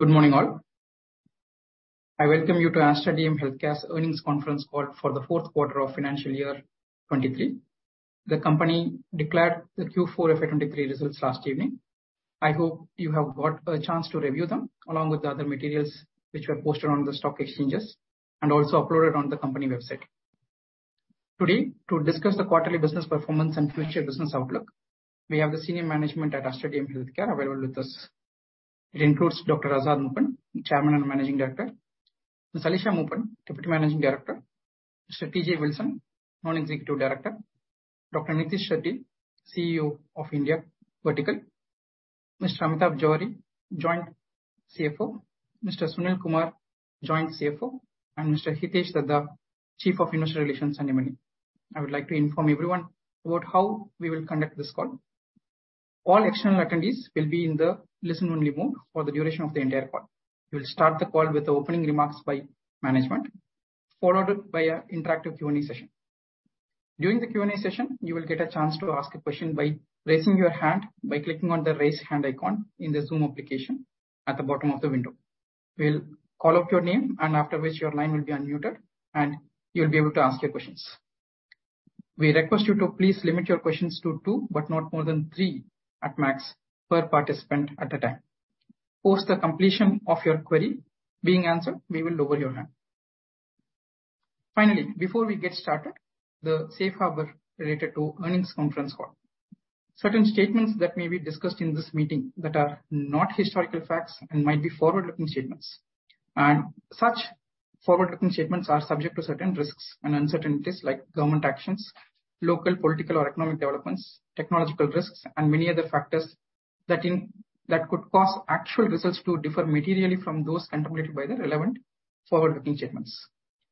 Good morning, all. I welcome you to Aster DM Healthcare's Earnings Conference Call for the Q4 of Financial Year 2023. The company declared the Q4 of 2023 results last evening. I hope you have got a chance to review them, along with the other materials which were posted on the stock exchanges and also uploaded on the company website. Today, to discuss the quarterly business performance and future business outlook, we have the senior management at Aster DM Healthcare available with us. It includes Dr. Azad Moopen, Chairman and Managing Director, Ms. Alisha Moopen, Deputy Managing Director, Mr. T.J. Wilson, Non-Executive Director, Dr. Nitish Shetty, CEO of India Vertical, Mr. Amitabh Johri, Joint CFO, Mr. Sunil Kumar, Joint CFO, and Mr. Hitesh Dhaddha, Chief of Investor Relations and M&A. I would like to inform everyone about how we will conduct this call. All external attendees will be in the listen-only mode for the duration of the entire call. We will start the call with the opening remarks by management, followed by an interactive Q&A session. During the Q&A session, you will get a chance to ask a question by raising your hand by clicking on the Raise Hand icon in the Zoom application at the bottom of the window. We'll call out your name, and after which your line will be unmuted, and you'll be able to ask your questions. We request you to please limit your questions to two, but not more than three at max per participant at a time. Post the completion of your query being answered, we will lower your hand. Finally, before we get started, the safe harbor related to earnings conference call. Certain statements that may be discussed in this meeting that are not historical facts and might be forward-looking statements, and such forward-looking statements are subject to certain risks and uncertainties, like government actions, local political or economic developments, technological risks, and many other factors that could cause actual results to differ materially from those contemplated by the relevant forward-looking statements.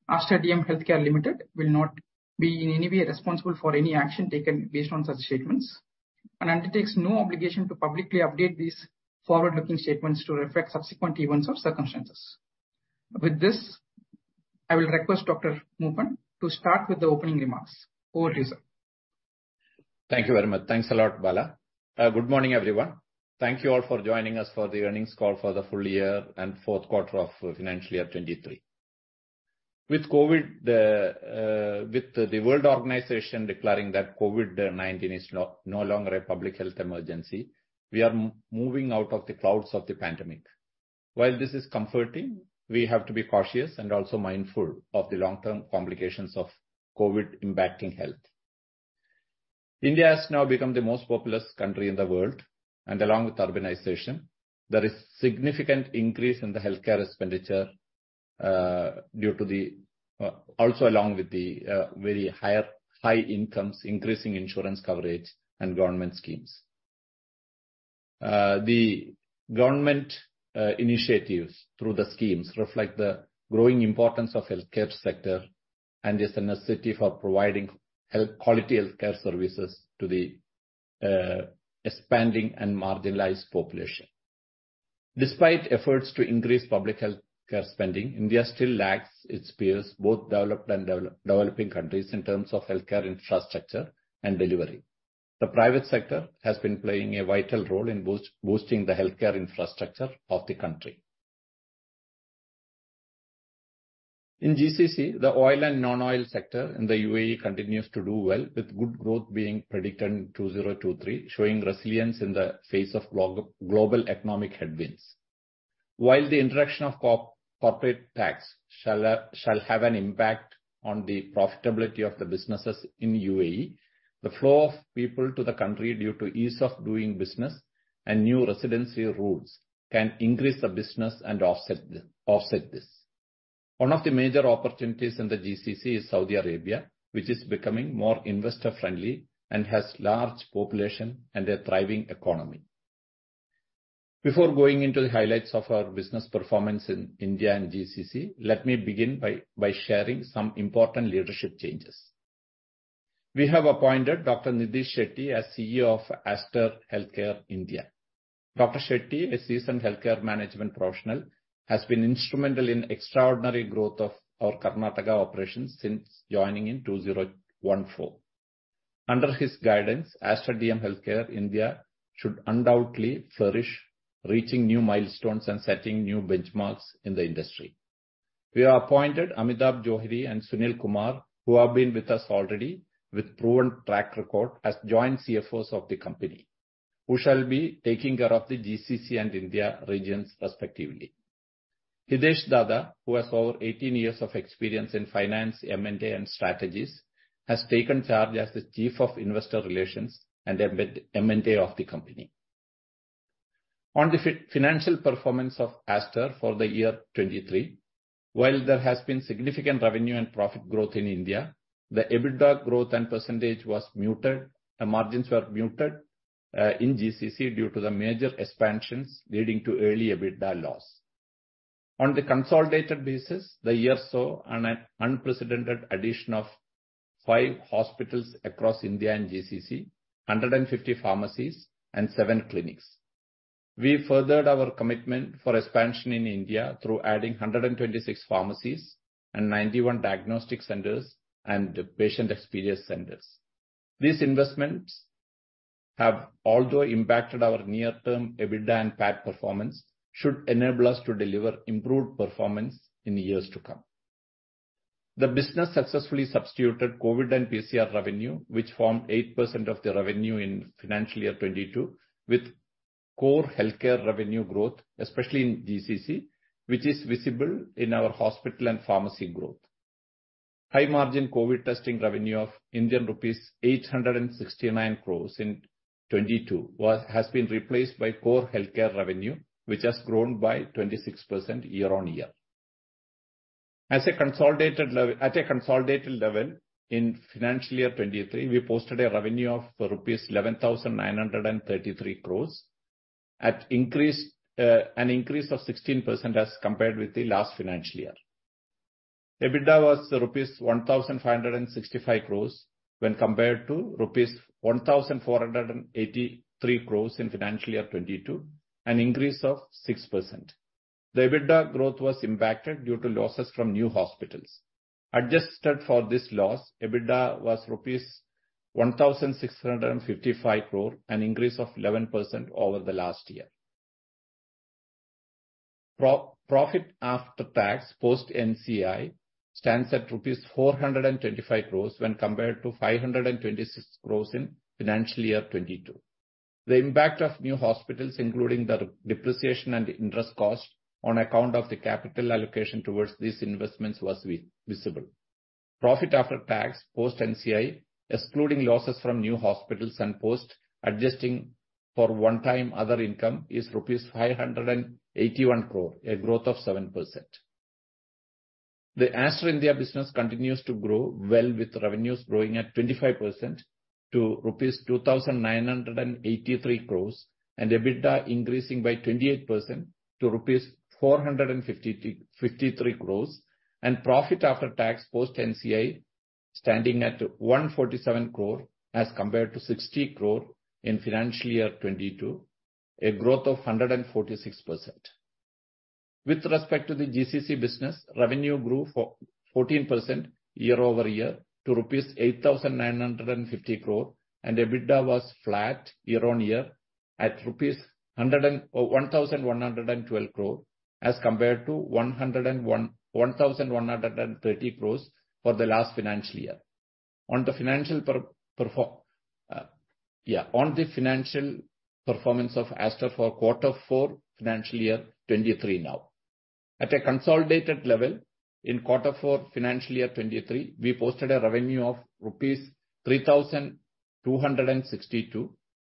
Aster DM Healthcare Limited will not be in any way responsible for any action taken based on such statements, and undertakes no obligation to publicly update these forward-looking statements to reflect subsequent events or circumstances. With this, I will request Dr. Moopen to start with the opening remarks. Over to you, sir. Thank you very much. Thanks a lot, Bala. Good morning, everyone. Thank you all for joining us for the Earnings Call for the Full Year and Q4 of Financial Year 2023. With COVID, with the World Health Organization declaring that COVID-19 is no longer a public health emergency, we are moving out of the clouds of the pandemic. While this is comforting, we have to be cautious and also mindful of the long-term complications of COVID impacting health. India has now become the most populous country in the world, and along with urbanization, there is significant increase in the healthcare expenditure due to the also along with the very high incomes, increasing insurance coverage and government schemes. The government initiatives through the schemes reflect the growing importance of healthcare sector and is a necessity for providing quality healthcare services to the expanding and marginalized population. Despite efforts to increase public healthcare spending, India still lags its peers, both developed and developing countries, in terms of healthcare infrastructure and delivery. The private sector has been playing a vital role in boosting the healthcare infrastructure of the country. In GCC, the oil and non-oil sector in the UAE continues to do well, with good growth being predicted in 2023, showing resilience in the face of global economic headwinds. While the introduction of corporate tax shall have an impact on the profitability of the businesses in UAE, the flow of people to the country due to ease of doing business and new residency rules can increase the business and offset this. One of the major opportunities in the GCC is Saudi Arabia, which is becoming more investor-friendly and has large population and a thriving economy. Before going into the highlights of our business performance in India and GCC, let me begin by sharing some important leadership changes. We have appointed Dr. Nitish Shetty as CEO of Aster DM Healthcare India. Dr. Shetty, a seasoned healthcare management professional, has been instrumental in extraordinary growth of our Karnataka operations since joining in 2014. Under his guidance, Aster DM Healthcare India should undoubtedly flourish, reaching new milestones and setting new benchmarks in the industry. We have appointed Amitabh Johri and Sunil Kumar, who have been with us already with proven track record, as joint CFOs of the company, who shall be taking care of the GCC and India regions respectively. Hitesh Dhaddha, who has over 18 years of experience in finance, M&A, and strategies, has taken charge as the Chief of Investor Relations and M&A of the company. On the financial performance of Aster for the year 2023, while there has been significant revenue and profit growth in India, the EBITDA growth and % was muted, the margins were muted in GCC due to the major expansions leading to early EBITDA loss. On the consolidated basis, the year saw an unprecedented addition of five hospitals across India and GCC, 150 pharmacies, and seven clinics. We furthered our commitment for expansion in India through adding 126 pharmacies and 91 diagnostic centers and patient experience centers. These investments have although impacted our near-term EBITDA and PAT performance, should enable us to deliver improved performance in the years to come. The business successfully substituted COVID and PCR revenue, which formed 8% of the revenue in financial year 22, with core healthcare revenue growth, especially in GCC, which is visible in our hospital and pharmacy growth. High margin COVID testing revenue of Indian rupees 869 crores in '22 has been replaced by core healthcare revenue, which has grown by 26% year-on-year. At a consolidated level, in financial year 2023, we posted a revenue of rupees 11,933 crore, an increase of 16% as compared with the last financial year. EBITDA was rupees 1,565 crore, when compared to rupees 1,483 crore in financial year 2022, an increase of 6%. The EBITDA growth was impacted due to losses from new hospitals. Adjusted for this loss, EBITDA was rupees 1,655 crore, an increase of 11% over the last year. Pro-profit after tax, post NCI, stands at rupees 425 crore, when compared to 526 crore in financial year 2022. The impact of new hospitals, including the depreciation and interest cost on account of the capital allocation towards these investments, was visible. Profit after tax, post NCI, excluding losses from new hospitals and post, adjusting for one-time other income, is rupees 581 crore, a growth of 7%. The Aster India business continues to grow well, with revenues growing at 25% to rupees 2,983 crore, and EBITDA increasing by 28% to rupees 453 crore, and profit after tax, post NCI, standing at 147 crore as compared to 60 crore in financial year 2022, a growth of 146%. With respect to the GCC business, revenue grew 14% year-over-year to rupees 8,950 crore, and EBITDA was flat year-on-year at rupees 1,112 crore, as compared to 1,130 crore for the last financial year. On the financial performance of Aster for Q4, financial year 2023 now. At a consolidated level, in Q4, financial year 2023, we posted a revenue of rupees 3,262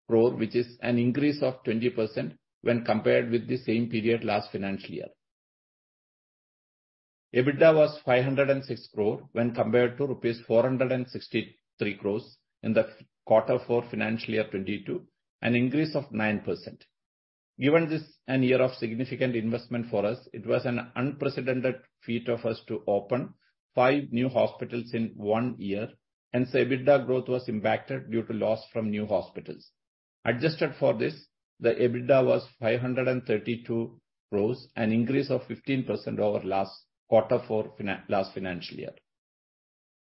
crore, which is an increase of 20% when compared with the same period last financial year. EBITDA was 506 crore, when compared to rupees 463 crore in the Q4, financial year 2022, an increase of 9%. Given this an year of significant investment for us, it was an unprecedented feat of us to open five new hospitals in 1 year, hence the EBITDA growth was impacted due to loss from new hospitals. Adjusted for this, the EBITDA was 532 crore, an increase of 15% over last Q4, last financial year.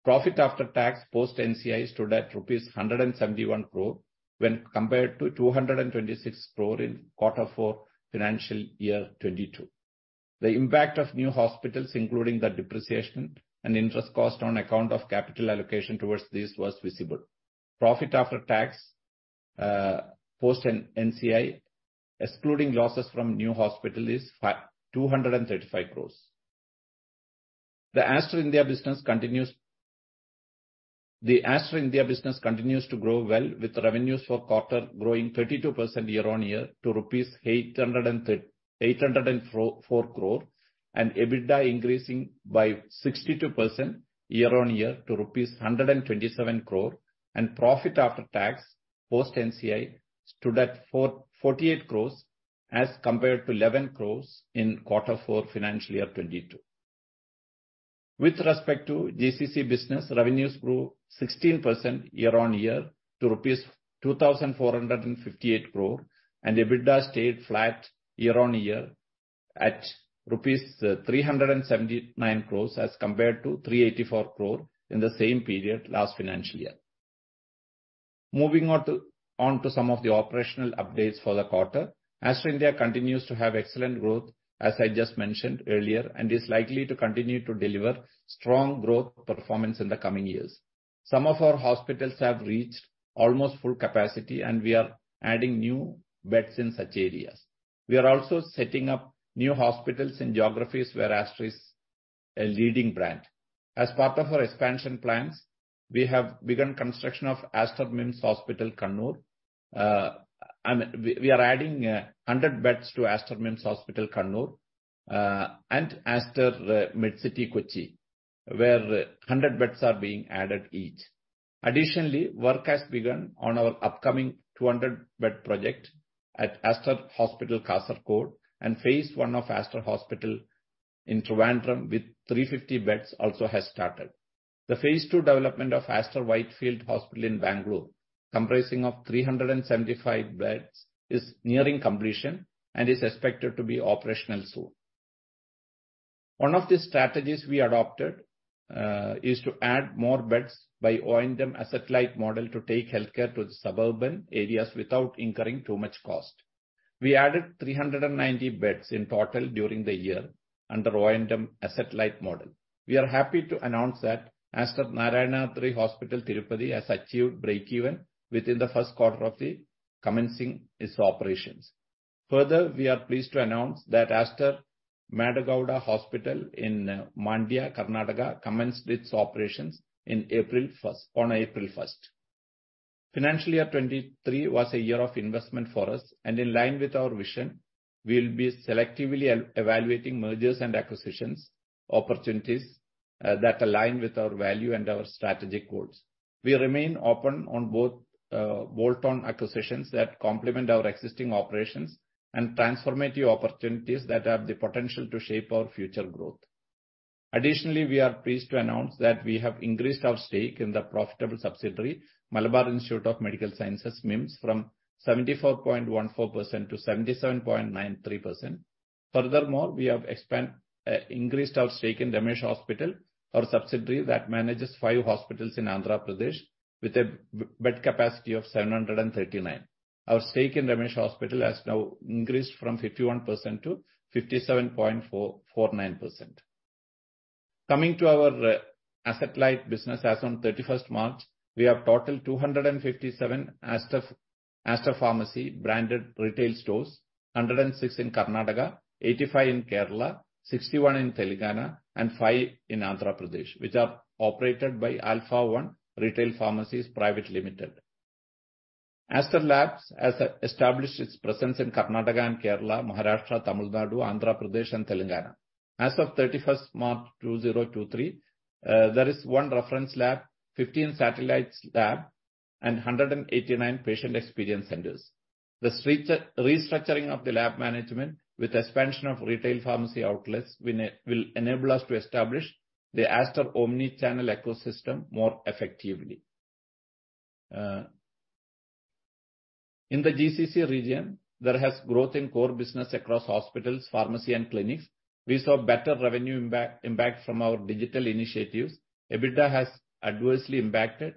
Profit after tax, post NCI, stood at rupees 171 crore when compared to 226 crore in Q4, financial year 2022. The impact of new hospitals, including the depreciation and interest cost on account of capital allocation towards this, was visible. Profit after tax, post NCI, excluding losses from new hospital, is 235 crore. The Aster India business continues to grow well, with revenues for quarter growing 32% year-on-year to rupees 804 crore, and EBITDA increasing by 62% year-on-year to rupees 127 crore, and profit after tax, post NCI, stood at 48 crores as compared to 11 crores in quarter four, financial year 2022. With respect to GCC business, revenues grew 16% year-on-year to INR 2,458 crore, and EBITDA stayed flat year-on-year at rupees 379 crores as compared to 384 crore in the same period last financial year. Moving on to some of the operational updates for the quarter, Aster India continues to have excellent growth, as I just mentioned earlier, and is likely to continue to deliver strong growth performance in the coming years. Some of our hospitals have reached almost full capacity, and we are adding new beds in such areas. We are also setting up new hospitals in geographies where Aster is a leading brand. As part of our expansion plans, we have begun construction of Aster MIMS Hospital, Kannur. We are adding 100 beds to Aster MIMS Hospital, Kannur, and Aster Medcity Kochi, where 100 beds are being added each. Additionally, work has begun on our upcoming 200-bed project at Aster Hospital, Kasaragod. Phase I of Aster Hospital in Trivandrum, with 350 beds, also has started. The phase II development of Aster Whitefield Hospital in Bangalore, comprising of 375 beds, is nearing completion and is expected to be operational soon. One of the strategies we adopted is to add more beds by O&M asset light model to take healthcare to the suburban areas without incurring too much cost. We added 390 beds in total during the year under O&M asset light model. We are happy to announce that Aster Narayanadri Hospital, Tirupati, has achieved breakeven within the Q1 of the commencing its operations. We are pleased to announce that Aster G Madegowda Hospital in Mandya, Karnataka, commenced its operations on April 1st. Financial year 23 was a year of investment for us, in line with our vision, we will be selectively evaluating mergers and acquisitions opportunities that align with our value and our strategic goals. We remain open on both bolt-on acquisitions that complement our existing operations and transformative opportunities that have the potential to shape our future growth. Additionally, we are pleased to announce that we have increased our stake in the profitable subsidiary, Malabar Institute of Medical Sciences, MIMS, from 74.14% to 77.93%. Furthermore, we have increased our stake in Ramesh Hospital, our subsidiary that manages 5 hospitals in Andhra Pradesh with a bed capacity of 739. Our stake in Ramesh Hospital has now increased from 51% to 57.49%. Coming to our asset light business, as on 31st March, we have total 257 Aster Pharmacy branded retail stores, 106 in Karnataka, 85 in Kerala, 61 in Telangana, and five in Andhra Pradesh, which are operated by AlfaOne Retail Pharmacies Private Limited. Aster Labs has established its presence in Karnataka and Kerala, Maharashtra, Tamil Nadu, Andhra Pradesh, and Telangana. As of 31st March 2023, there is one reference lab, 15 satellites lab and 189 patient experience centers. The street restructuring of the lab management with expansion of retail pharmacy outlets will enable us to establish the Aster omni-channel ecosystem more effectively. In the GCC region, there has growth in core business across hospitals, pharmacy and clinics. We saw better revenue impact from our digital initiatives. EBITDA has adversely impacted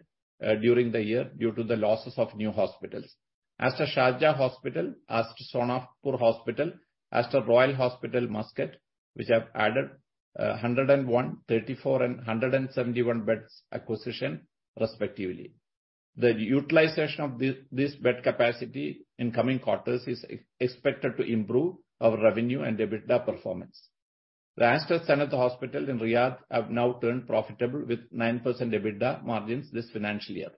during the year due to the losses of new hospitals. Aster Sharjah Hospital, Aster Sonapur Hospital, Aster Royal Hospital, Muscat, which have added 101, 34, and 171 beds acquisition, respectively. The utilization of this bed capacity in coming quarters is expected to improve our revenue and EBITDA performance. The Aster Sanad Hospital in Riyadh have now turned profitable with 9% EBITDA margins this financial year.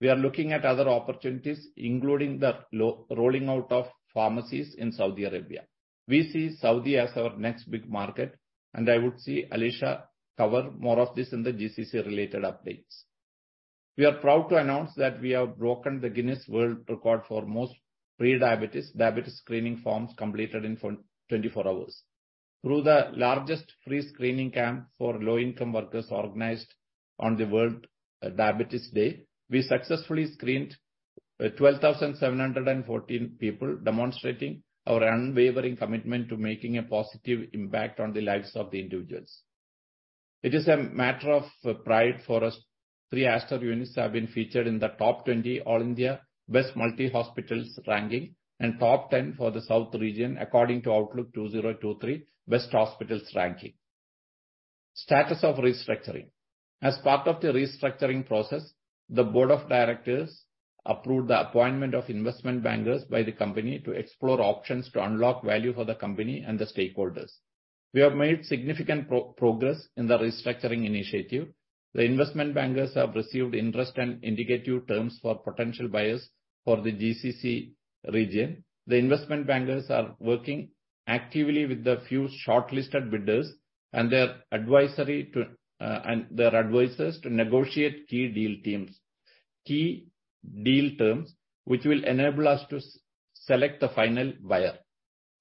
We are looking at other opportunities, including the rolling out of pharmacies in Saudi Arabia. We see Saudi as our next big market. I would see Alisha cover more of this in the GCC related updates. We are proud to announce that we have broken the Guinness World Records for most pre-diabetes, diabetes screening forms completed in for 24 hours. Through the largest free screening camp for low-income workers organized on World Diabetes Day, we successfully screened 12,714 people, demonstrating our unwavering commitment to making a positive impact on the lives of the individuals. It is a matter of pride for us, three Aster units have been featured in the top 20 All India best multi-hospitals ranking and top 10 for the South Region, according to Outlook 2023 best hospitals ranking. Status of restructuring. As part of the restructuring process, the board of directors approved the appointment of investment bankers by the company to explore options to unlock value for the company and the stakeholders. We have made significant progress in the restructuring initiative. The investment bankers have received interest and indicative terms for potential buyers for the GCC region. The investment bankers are working actively with the few shortlisted bidders and their advisory to and their advisors to negotiate key deal teams, key deal terms, which will enable us to select the final buyer.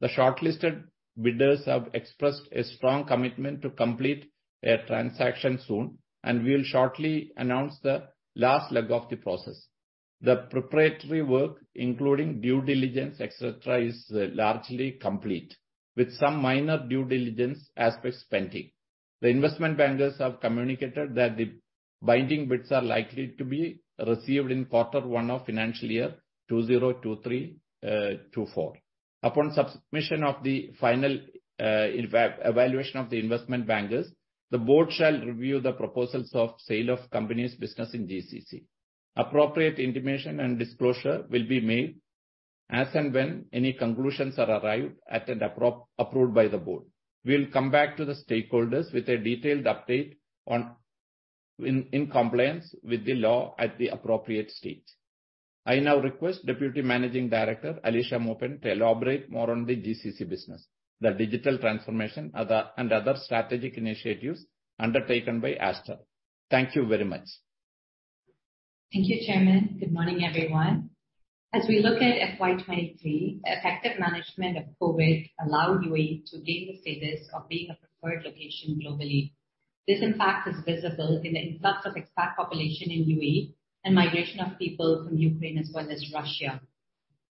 The shortlisted bidders have expressed a strong commitment to complete a transaction soon. We will shortly announce the last leg of the process. The proprietary work, including due diligence, et cetera, is largely complete, with some minor due diligence aspects pending. The investment bankers have communicated that the binding bids are likely to be received in quarter one of financial year 2023, 2024. Upon submission of the final evaluation of the investment bankers, the board shall review the proposals of sale of company's business in GCC. Appropriate intimation and disclosure will be made as and when any conclusions are arrived at and approved by the board. We will come back to the stakeholders with a detailed update on, in compliance with the law at the appropriate stage. I now request Deputy Managing Director, Alisha Moopen, to elaborate more on the GCC business, the digital transformation, and other strategic initiatives undertaken by Aster. Thank you very much. Thank you, Chairman. Good morning, everyone. As we look at FY 23, effective management of COVID allowed UAE to gain the status of being a preferred location globally. This impact is visible in the influx of expat population in UAE and migration of people from Ukraine as well as Russia.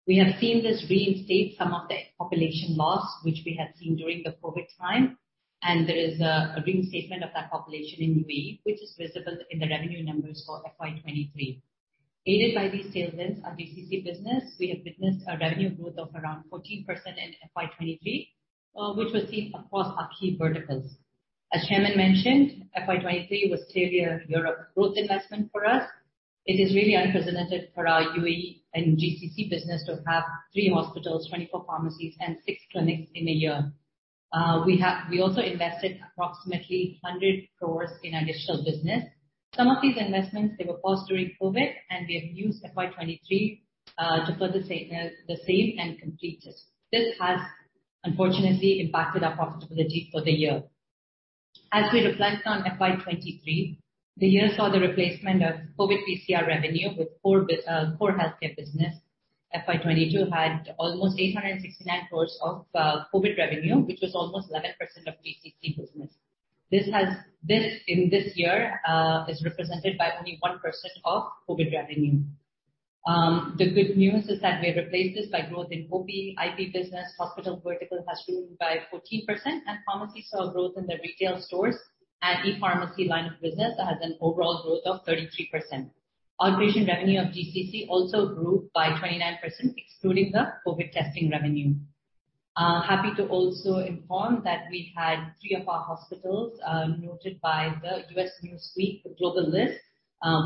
We have seen this reinstate some of the population loss which we had seen during the COVID time, and there is a reinstatement of that population in UAE, which is visible in the revenue numbers for FY 23. Aided by these tailwinds, our GCC business, we have witnessed a revenue growth of around 14% in FY 23, which was seen across our key verticals. As Chairman mentioned, FY 23 was clearly a Europe growth investment for us. It is really unprecedented for our UAE and GCC business to have 3 hospitals, 24 pharmacies, and 6 clinics in a year. We also invested approximately 100 crores in our digital business. Some of these investments, they were paused during COVID, we have used FY 2023 to put the same and complete it. This has unfortunately impacted our profitability for the year. As we reflect on FY 2023, the year saw the replacement of COVID PCR revenue with core healthcare business. FY 2022 had almost 869 crores of COVID revenue, which was almost 11% of GCC business. This, in this year, is represented by only 1% of COVID revenue. The good news is that we replaced this by growth in OP, IP business. Hospital vertical has grown by 14%, and pharmacy saw a growth in the retail stores, and ePharmacy line of business has an overall growth of 33%. Operation revenue of GCC also grew by 29%, excluding the COVID testing revenue. Happy to also inform that we had 3 of our hospitals noted by the Newsweek global list.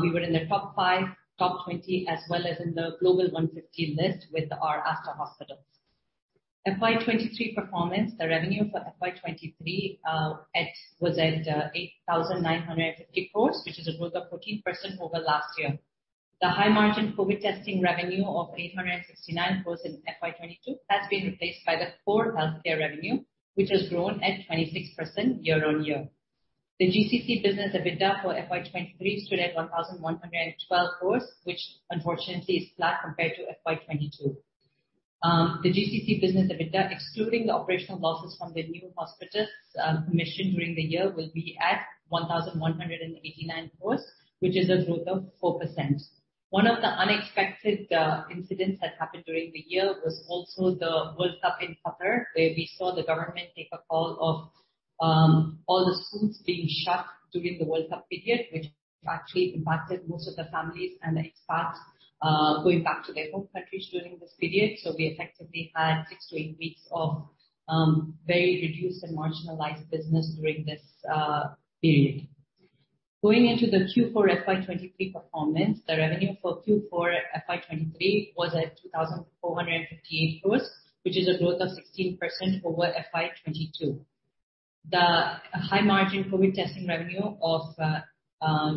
We were in the top 5, top 20, as well as in the global 150 list with our Aster hospitals. FY23 performance, the revenue for FY23 was at 8,950 crores, which is a growth of 14% over last year. The high margin COVID testing revenue of 869 crores in FY 2022 has been replaced by the core healthcare revenue, which has grown at 26% year-on-year. The GCC business EBITDA for FY 2023 stood at 1,112 crores, which unfortunately is flat compared to FY 2022. The GCC business EBITDA, excluding the operational losses from the new hospitals, commissioned during the year, will be at 1,189 crores, which is a growth of 4%. One of the unexpected incidents that happened during the year was also the World Cup in Qatar, where we saw the government take a call of all the schools being shut during the World Cup period, which actually impacted most of the families and the expats going back to their home countries during this period. We effectively had 6 to 8 weeks of very reduced and marginalized business during this period. Going into the Q4 FY23 performance, the revenue for Q4 FY23 was at 2,458 crores, which is a growth of 16% over FY22. The high margin COVID testing revenue of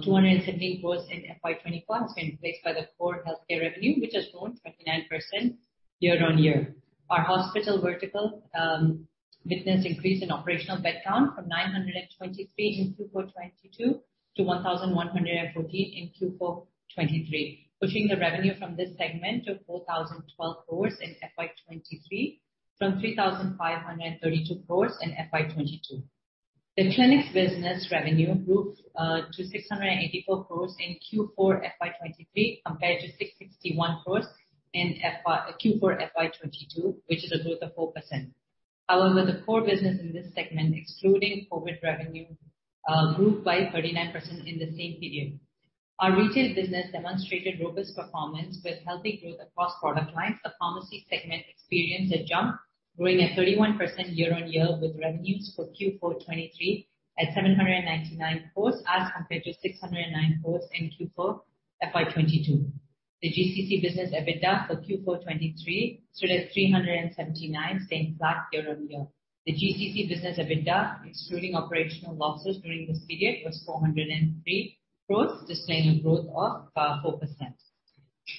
270 crores in FY24 has been replaced by the core healthcare revenue, which has grown 29% year-on-year. Our hospital vertical witnessed increase in operational bed count from 923 in Q4 2022 to 1,114 in Q4 2023, pushing the revenue from this segment to 4,012 crores in FY23 from 3,532 crores in FY22. The clinics business revenue grew to 684 crores in Q4 FY23, compared to 661 crores in Q4 FY22, which is a growth of 4%. However, the core business in this segment, excluding COVID revenue, grew by 39% in the same period. Our retail business demonstrated robust performance with healthy growth across product lines. The pharmacy segment experienced a jump, growing at 31% year on year, with revenues for Q4 23 at 799 crores, as compared to 609 crores in Q4 FY22. The GCC business EBITDA for Q4 23 stood at 379 crores, staying flat year on year. The GCC business EBITDA, excluding operational losses during this period, was 403 crores, displaying a growth of 4%.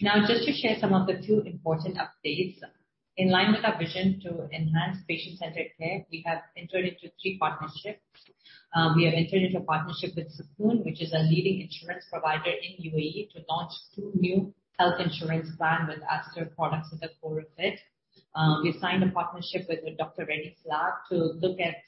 Now, just to share some of the two important updates. In line with our vision to enhance patient-centered care, we have entered into three partnerships. We have entered into a partnership with Sukoon Insurance, which is a leading insurance provider in UAE, to launch two new health insurance plan with Aster products at the core of it. We've signed a partnership with the Dr. Reddy's Lab to look at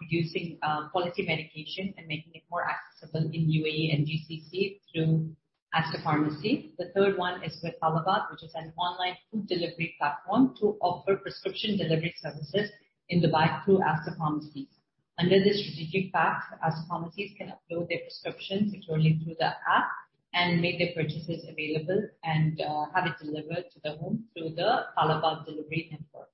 producing quality medication and making it more accessible in UAE and GCC through Aster Pharmacy. The third one is with Talabat, which is an online food delivery platform, to offer prescription delivery services in Dubai through Aster Pharmacies. Under this strategic pact, Aster Pharmacies can upload their prescriptions internally through the app and make their purchases available and have it delivered to the home through the Talabat delivery network.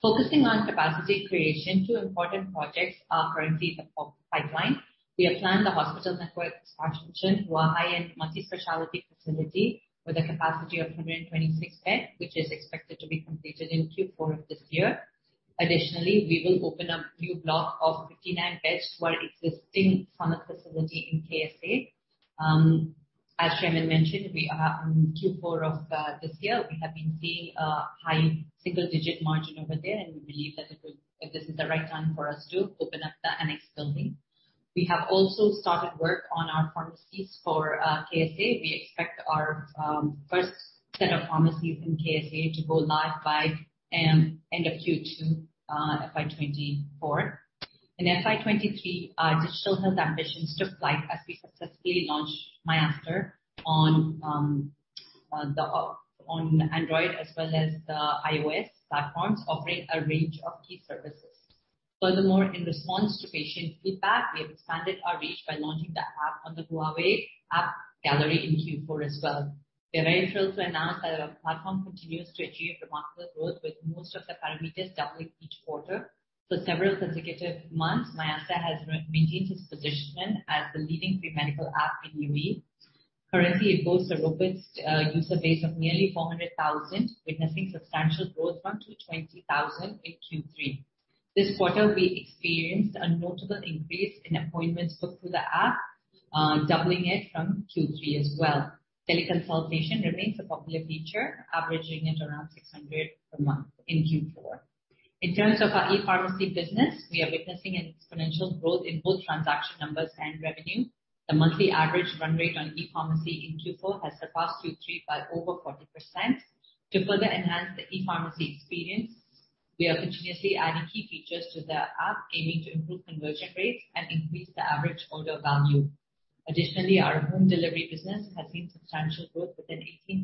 Focusing on capacity creation, two important projects are currently in the pipeline. We have planned a hospital network expansion to a high-end multi-specialty facility with a capacity of 126 beds, which is expected to be completed in Q4 of this year. We will open up new block of 59 beds to our existing summit facility in KSA. As Chairman mentioned, Q4 of this year, we have been seeing a high single-digit margin over there, we believe that this is the right time for us to open up the annex building. We have also started work on our pharmacies for KSA. We expect our first set of pharmacies in KSA to go live by end of Q2, FY 2024. In FY 23, our digital health ambitions took flight as we successfully launched myAster on Android as well as the iOS platforms, offering a range of key services. In response to patient feedback, we expanded our reach by launching the app on the Huawei AppGallery in Q4 as well. We are very thrilled to announce that our platform continues to achieve remarkable growth, with most of the parameters doubling each quarter. For several consecutive months, myAster has maintained its positioning as the leading free medical app in UAE. Currently, it boasts a robust user base of nearly 400,000, witnessing substantial growth from 220,000 in Q3. This quarter, we experienced a notable increase in appointments booked through the app, doubling it from Q3 as well. Teleconsultation remains a popular feature, averaging at around 600 per month in Q4. In terms of our ePharmacy business, we are witnessing an exponential growth in both transaction numbers and revenue. The monthly average run rate on ePharmacy in Q4 has surpassed Q3 by over 40%. To further enhance the ePharmacy experience, we are continuously adding key features to the app, aiming to improve conversion rates and increase the average order value. Additionally, our home delivery business has seen substantial growth with an 18%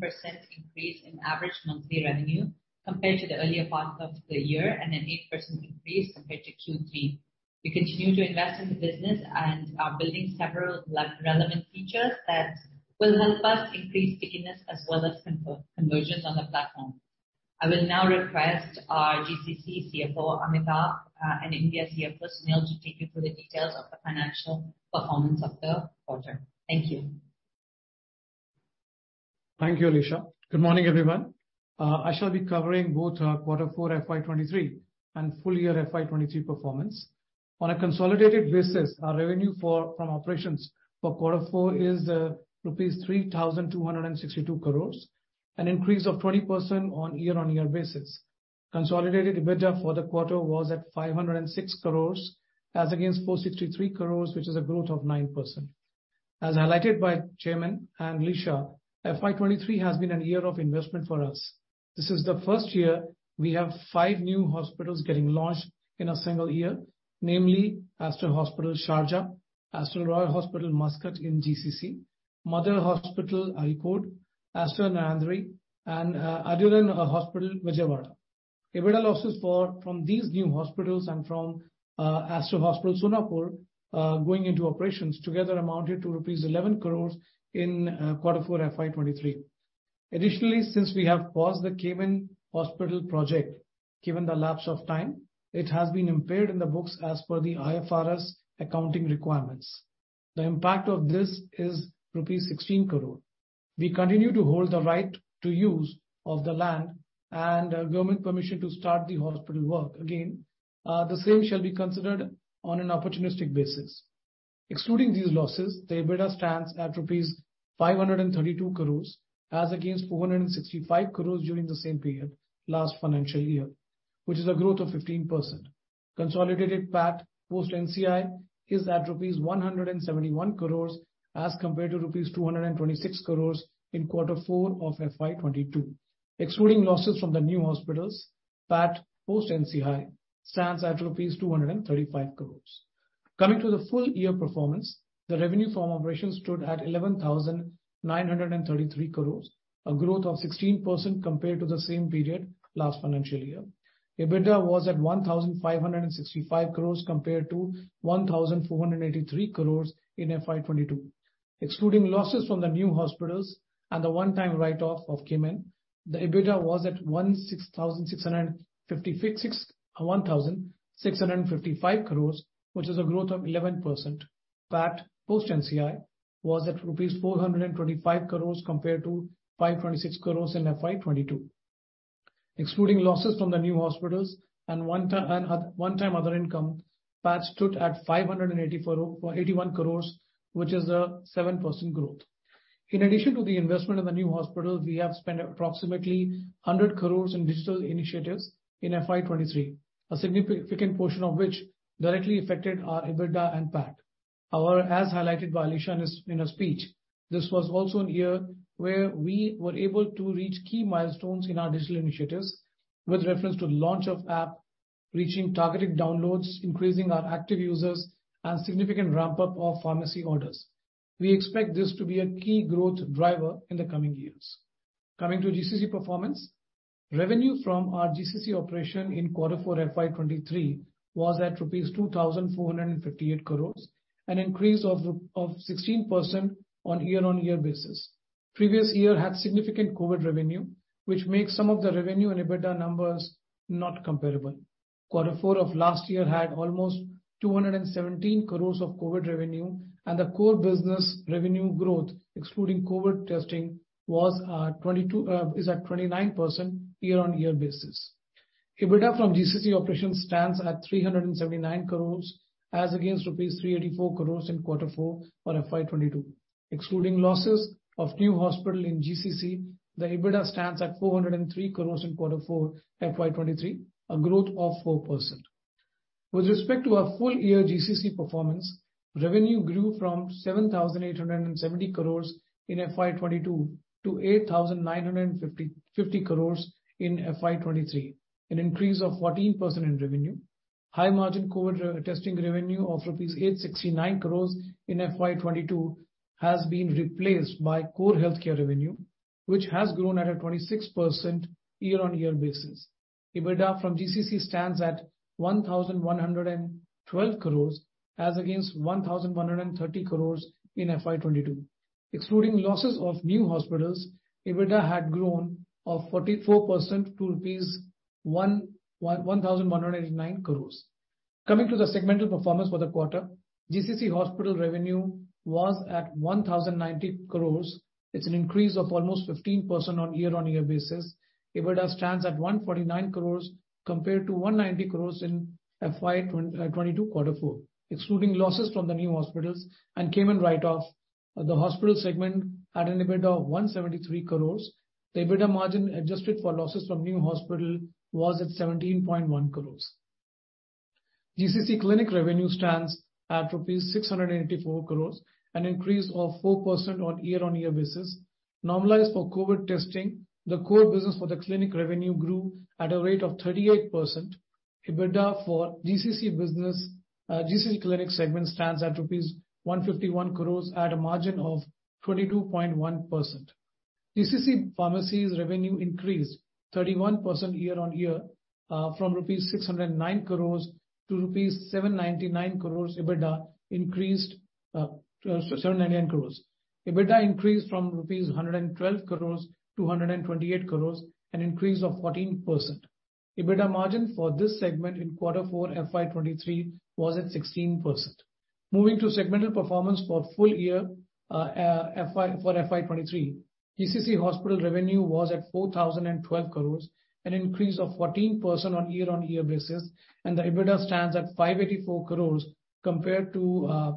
increase in average monthly revenue compared to the earlier part of the year, and an 8% increase compared to Q3. We continue to invest in the business and are building several relevant features that will help us increase stickiness as well as conversions on the platform. I will now request our GCC CFO, Amitabh, and India CFO, Sunil, to take you through the details of the financial performance of the quarter. Thank you. Thank you, Alisha. Good morning, everyone. I shall be covering both our Quarter 4 FY23 and full year FY23 performance. On a consolidated basis, our revenue from operations for Quarter 4 is rupees 3,262 crores, an increase of 20% on year-on-year basis. Consolidated EBITDA for the quarter was at 506 crores, as against 463 crores, which is a growth of 9%. As highlighted by Chairman and Alisha, FY23 has been a year of investment for us. This is the first year we have five new hospitals getting launched in a single year, namely Aster Hospital, Sharjah, Aster Royal Hospital, Muscat in GCC, Mother Hospital, Areekode, Aster Narayanadri, and Aster Ramesh Hospital, Vijayawada. EBITDA losses for, from these new hospitals and from Aster Hospital, Sonapur, going into operations together amounted to rupees 11 crores in Quarter four, FY 2023. Additionally, since we have paused the Cayman Hospital project, given the lapse of time, it has been impaired in the books as per the IFRS accounting requirements. The impact of this is rupees 16 crore. We continue to hold the right to use of the land and government permission to start the hospital work again. The same shall be considered on an opportunistic basis. Excluding these losses, the EBITDA stands at rupees 532 crores, as against 465 crores during the same period last financial year, which is a growth of 15%. Consolidated PAT post NCI is at rupees 171 crores, as compared to rupees 226 crores in Quarter four of FY 2022. Excluding losses from the new hospitals, PAT post NCI stands at rupees 235 crores. Coming to the full year performance, the revenue from operations stood at 11,933 crores, a growth of 16% compared to the same period last financial year. EBITDA was at INR 1,565 crores compared to INR 1,483 crores in FY 2022. Excluding losses from the new hospitals and the one-time write-off of Cayman, the EBITDA was at 1,655 crores, which is a growth of 11%. PAT post NCI was at rupees 425 crores compared to 526 crores in FY 2022. Excluding losses from the new hospitals and one time other income, PAT stood at 581 crores, which is a 7% growth. In addition to the investment in the new hospitals, we have spent approximately 100 crores in digital initiatives in FY 2023, a significant portion of which directly affected our EBITDA and PAT. As highlighted by Alisha in her speech, this was also a year where we were able to reach key milestones in our digital initiatives, with reference to the launch of app, reaching targeted downloads, increasing our active users, and significant ramp-up of pharmacy orders. We expect this to be a key growth driver in the coming years. Coming to GCC performance, revenue from our GCC operation in Quarter four, FY 2023, was at rupees 2,458 crores, an increase of 16% on a year-on-year basis. Previous year had significant COVID revenue, which makes some of the revenue and EBITDA numbers not comparable. Quarter four of last year had almost 217 crores of COVID revenue, and the core business revenue growth, excluding COVID testing, is at 29% year-on-year basis. EBITDA from GCC operations stands at 379 crores, as against rupees 384 crores in Quarter four for FY 2022. Excluding losses of new hospital in GCC, the EBITDA stands at 403 crores in Quarter four, FY 2023, a growth of 4%. With respect to our full year GCC performance, revenue grew from 7,870 crores in FY22 to 8,950 crores in FY23, an increase of 14% in revenue. High margin COVID re-testing revenue of INR 869 crores in FY22 has been replaced by core healthcare revenue, which has grown at a 26% year-on-year basis. EBITDA from GCC stands at 1,112 crores as against 1,130 crores in FY22. Excluding losses of new hospitals, EBITDA had grown of 44% to rupees 1,189 crores. Coming to the segmental performance for the quarter, GCC hospital revenue was at 1,090 crores. It's an increase of almost 15% on a year-on-year basis. EBITDA stands at 149 crores compared to 190 crores in FY 2022, Q4. Excluding losses from the new hospitals and Cayman write-off, the hospital segment had an EBITDA of 173 crores. The EBITDA margin, adjusted for losses from new hospital, was at 17.1 crores. GCC Clinic revenue stands at rupees 684 crores, an increase of 4% on year-on-year basis. Normalized for COVID testing, the core business for the clinic revenue grew at a rate of 38%. EBITDA for GCC business, GCC Clinic segment stands at rupees 151 crores at a margin of 22.1%. GCC Pharmacies revenue increased 31% year-on-year, from rupees 609 crores to rupees 799 crores. EBITDA increased 799 crores. EBITDA increased from rupees 112 crores to 128 crores, an increase of 14%. EBITDA margin for this segment in quarter four, FY 2023, was at 16%. Moving to segmental performance for full year for FY 2023, GCC hospital revenue was at 4,012 crores, an increase of 14% on year-on-year basis, and the EBITDA stands at 584 crores compared to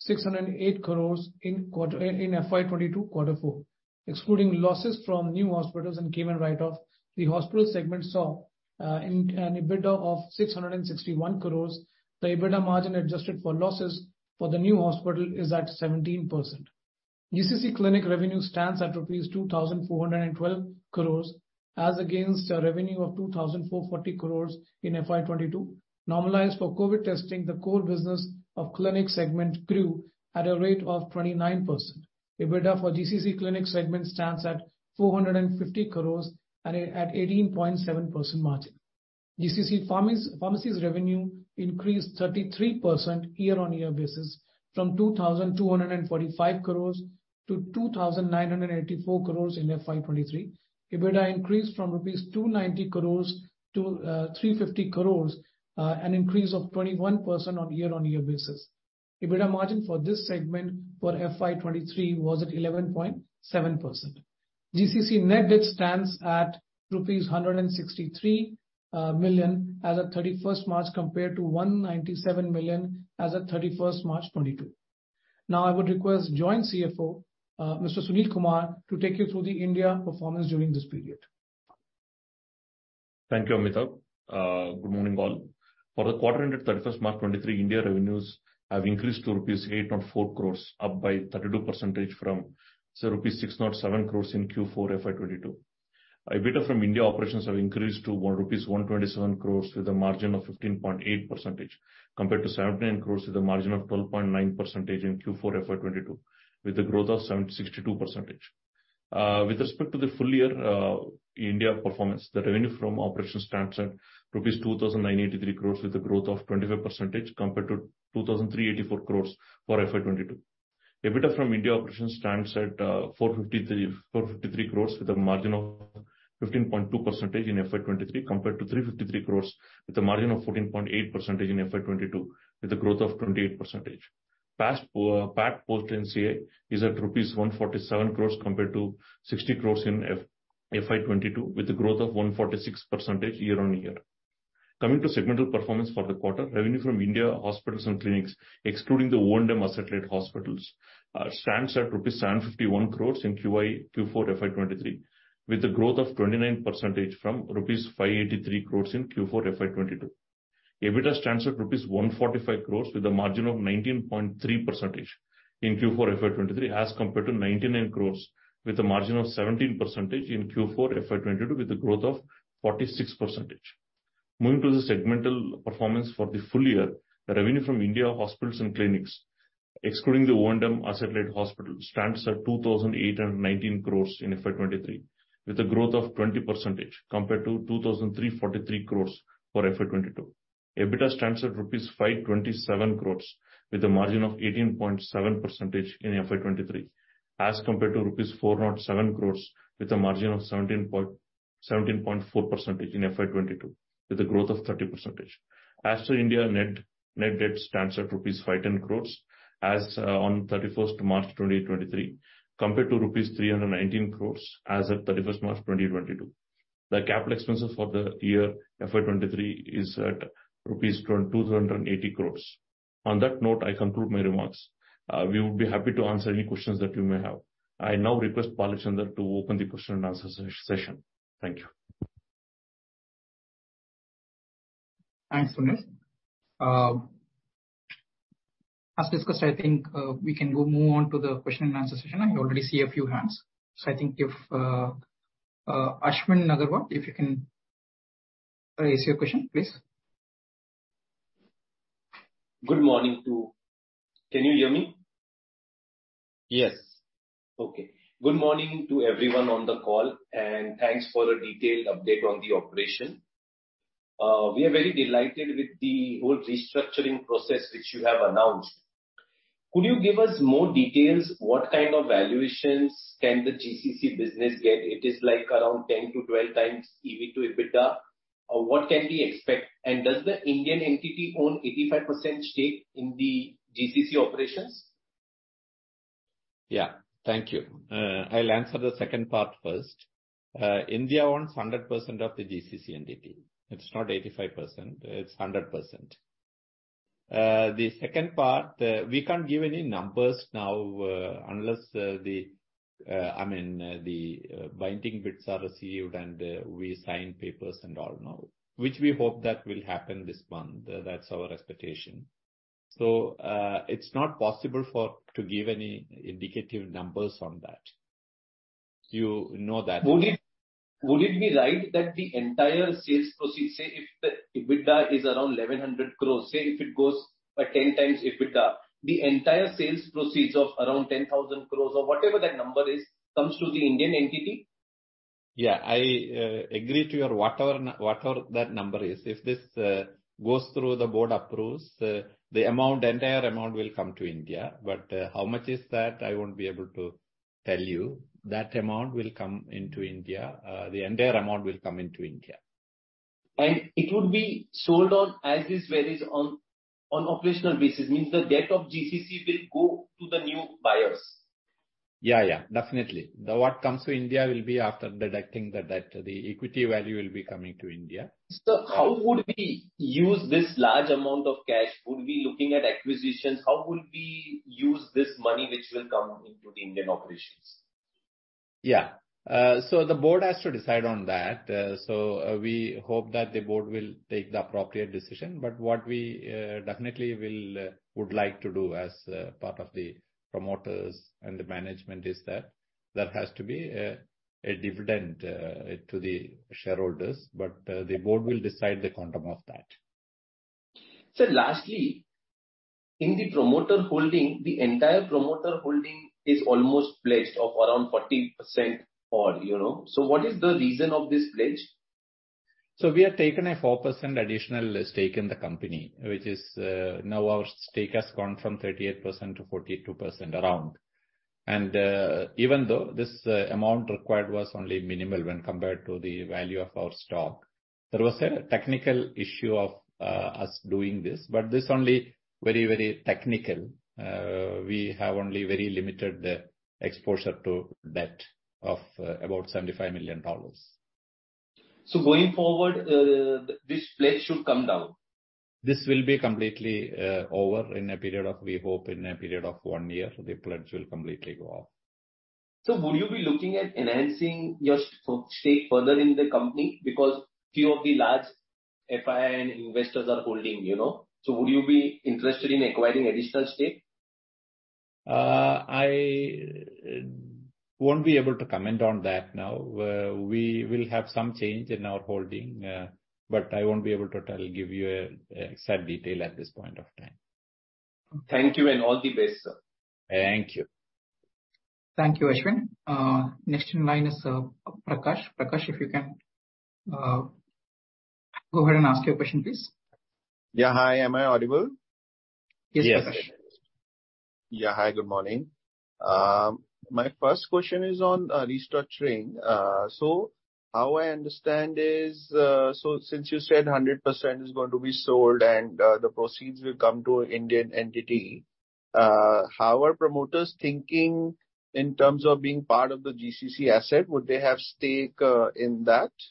608 crores in FY 2022, quarter four. Excluding losses from new hospitals and Cayman write-off, the hospital segment saw an EBITDA of 661 crores. The EBITDA margin, adjusted for losses for the new hospital, is at 17%. GCC Clinic revenue stands at INR 2,412 crores as against a revenue of 2,440 crores in FY 2022. Normalized for COVID testing, the core business of clinic segment grew at a rate of 29%. EBITDA for GCC Clinic segment stands at 450 crores at a 18.7% margin. GCC Pharmacies revenue increased 33% year-on-year basis from 2,245 crores to 2,984 crores in FY23. EBITDA increased from rupees 290 crores to 350 crores, an increase of 21% on year-on-year basis. EBITDA margin for this segment for FY23 was at 11.7%. GCC net debt stands at $163 million as of 31st March, compared to $197 million as of 31st March 2022. I would request Joint CFO, Mr. Sunil Kumar, to take you through the India performance during this period. Thank you, Amitabh Johri. good morning, all. For the quarter ended 31st March 2023, India revenues have increased to rupees 8.4 crores, up by 32% from rupees 607 crores in Q4 FY22. EBITDA from India operations have increased to 127 crores with a margin of 15.8%, compared to 79 crores with a margin of 12.9% in Q4 FY22, with a growth of 70-62%. with respect to the full year, India performance, the revenue from operations stands at rupees 2,983 crores with a growth of 25% compared to 2,384 crores for FY22. EBITDA from India operations stands at 453 crores, with a margin of 15.2% in FY23, compared to 353 crores with a margin of 14.8% in FY22, with a growth of 28%. PAT post NCA is at rupees 147 crores compared to 60 crores in FY22, with a growth of 146% year-on-year. Coming to segmental performance for the quarter, revenue from India hospitals and clinics, excluding the O&M satellite hospitals, stands at rupees 751 crores in Q4 FY23, with a growth of 29% from rupees 583 crores in Q4 FY22. EBITDA stands at rupees 145 crores with a margin of 19.3% in Q4 FY23, as compared to 99 crores with a margin of 17% in Q4 FY22, with a growth of 46%. Moving to the segmental performance for the full year, the revenue from India hospitals and clinics, excluding the O&M satellite hospitals, stands at 2,819 crores in FY23, with a growth of 20% compared to 2,343 crores for FY22. EBITDA stands at rupees 527 crores with a margin of 18.7% in FY23, as compared to rupees 407 crores with a margin of 17.4% in FY22, with a growth of 30%. As to India net net debt stands at rupees 510 crores as on 31st March 2023, compared to rupees 319 crores as of 31st March 2022. The capital expenses for the year FY23 is at rupees 280 crores. On that note, I conclude my remarks. We would be happy to answer any questions that you may have. I now request Balachander to open the question and answer session. Thank you. Thanks, Sunil. As discussed, I think, we can move on to the question and answer session. I already see a few hands. I think if Ashwin Agarwal, if you can, ask your question, please. Good morning to you. Can you hear me? Yes. Okay. Good morning to everyone on the call, and thanks for the detailed update on the operation. We are very delighted with the whole restructuring process which you have announced. Could you give us more details, what kind of valuations can the GCC business get? It is like around 10-12 times EV to EBITDA. What can we expect? Does the Indian entity own 85% stake in the GCC operations? Yeah. Thank you. I'll answer the second part first. India owns 100% of the GCC entity. It's not 85%, it's 100%. The second part, we can't give any numbers now, unless, I mean, the binding bids are received and we sign papers and all now, which we hope that will happen this month. That's our expectation. It's not possible to give any indicative numbers on that. You know that... Would it be right that the entire sales proceeds, say, if the EBITDA is around 1,100 crores, say, if it goes by 10x EBITDA, the entire sales proceeds of around 10,000 crores or whatever that number is, comes to the Indian entity? Yeah. I agree to your whatever that number is. If this goes through, the board approves, the amount, entire amount will come to India. How much is that? I won't be able to tell you. That amount will come into India. The entire amount will come into India. It would be sold on as is where is on operational basis, means the debt of GCC will go to the new buyers? Yeah, definitely. The what comes to India will be after deducting the debt, the equity value will be coming to India. How would we use this large amount of cash? Would we be looking at acquisitions? How would we use this money, which will come into the Indian operations? Yeah. The board has to decide on that. We hope that the board will take the appropriate decision, but what we, definitely will, would like to do as, part of the promoters and the management is that, there has to be a dividend, to the shareholders, but, the board will decide the quantum of that. Sir, lastly, in the promoter holding, the entire promoter holding is almost pledged of around 40% or, you know. What is the reason of this pledge? We have taken a 4% additional stake in the company, which is, now our stake has gone from 38% to 42% around. Even though this amount required was only minimal when compared to the value of our stock, there was a technical issue of us doing this, but this only very, very technical. We have only very limited the exposure to debt of about $75 million. Going forward, this pledge should come down? This will be completely, over in a period of, we hope in a period of one year, the pledge will completely go off. Would you be looking at enhancing your stake further in the company? Few of the large FI investors are holding, you know. Would you be interested in acquiring additional stake? I won't be able to comment on that now. We will have some change in our holding, but I won't be able to tell, give you a exact detail at this point of time. Thank you, and all the best, sir. Thank you. Thank you, Ashwin. Next in line is Prakash. Prakash, if you can, go ahead and ask your question, please. Yeah. Hi, am I audible? Yes. Yes. Yeah. Hi, good morning. My first question is on restructuring. How I understand is since you said 100% is going to be sold and the proceeds will come to Indian entity, how are promoters thinking in terms of being part of the GCC asset? Would they have stake in that? Yeah,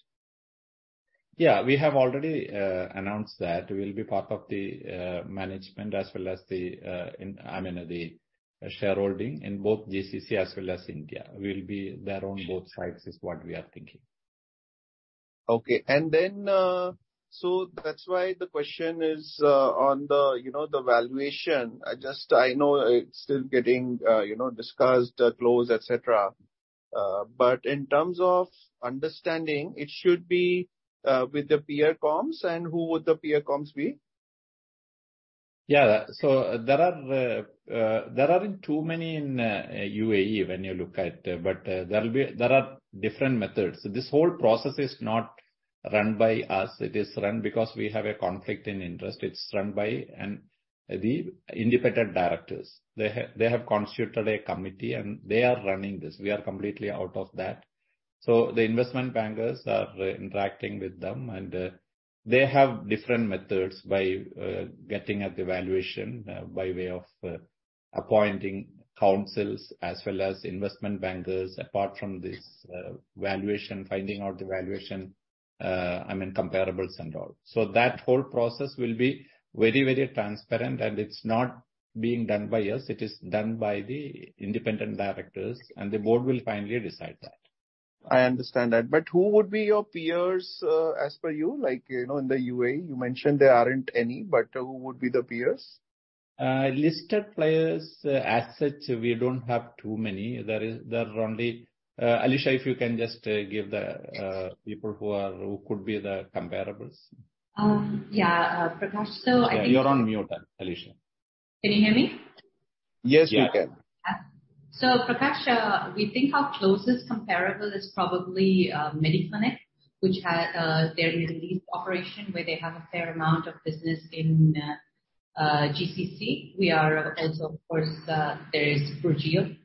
we have already announced that we'll be part of the management as well as the, I mean, the shareholding in both GCC as well as India. We'll be there on both sides, is what we are thinking. Okay. That's why the question is on the, you know, the valuation. I just, I know it's still getting, you know, discussed, closed, et cetera. In terms of understanding, it should be with the peer comps, and who would the peer comps be? Yeah. There aren't too many in UAE when you look at. There will be. There are different methods. This whole process is not run by us. It is run because we have a conflict in interest. It's run by the independent directors. They have constituted a committee and they are running this. We are completely out of that. The investment bankers are interacting with them. They have different methods by getting at the valuation by way of appointing councils as well as investment bankers, apart from this valuation, finding out the valuation, I mean, comparables and all. That whole process will be very, very transparent. It's not being done by us, it is done by the independent directors, and the board will finally decide that. I understand that, but who would be your peers, as per you? Like, you know, in the UAE, you mentioned there aren't any, but who would be the peers? Listed players, as such, we don't have too many. There are only, Alisha, if you can just, give the- Yes. people who are, who could be the comparables. Yeah, Prakash. Yeah, you're on mute, Alisha. Can you hear me? Yes, we can. Yeah. Prakash, we think our closest comparable is probably Mediclinic, which has their Middle East operation, where they have a fair amount of business in GCC. We are also, of course, there is Burjeel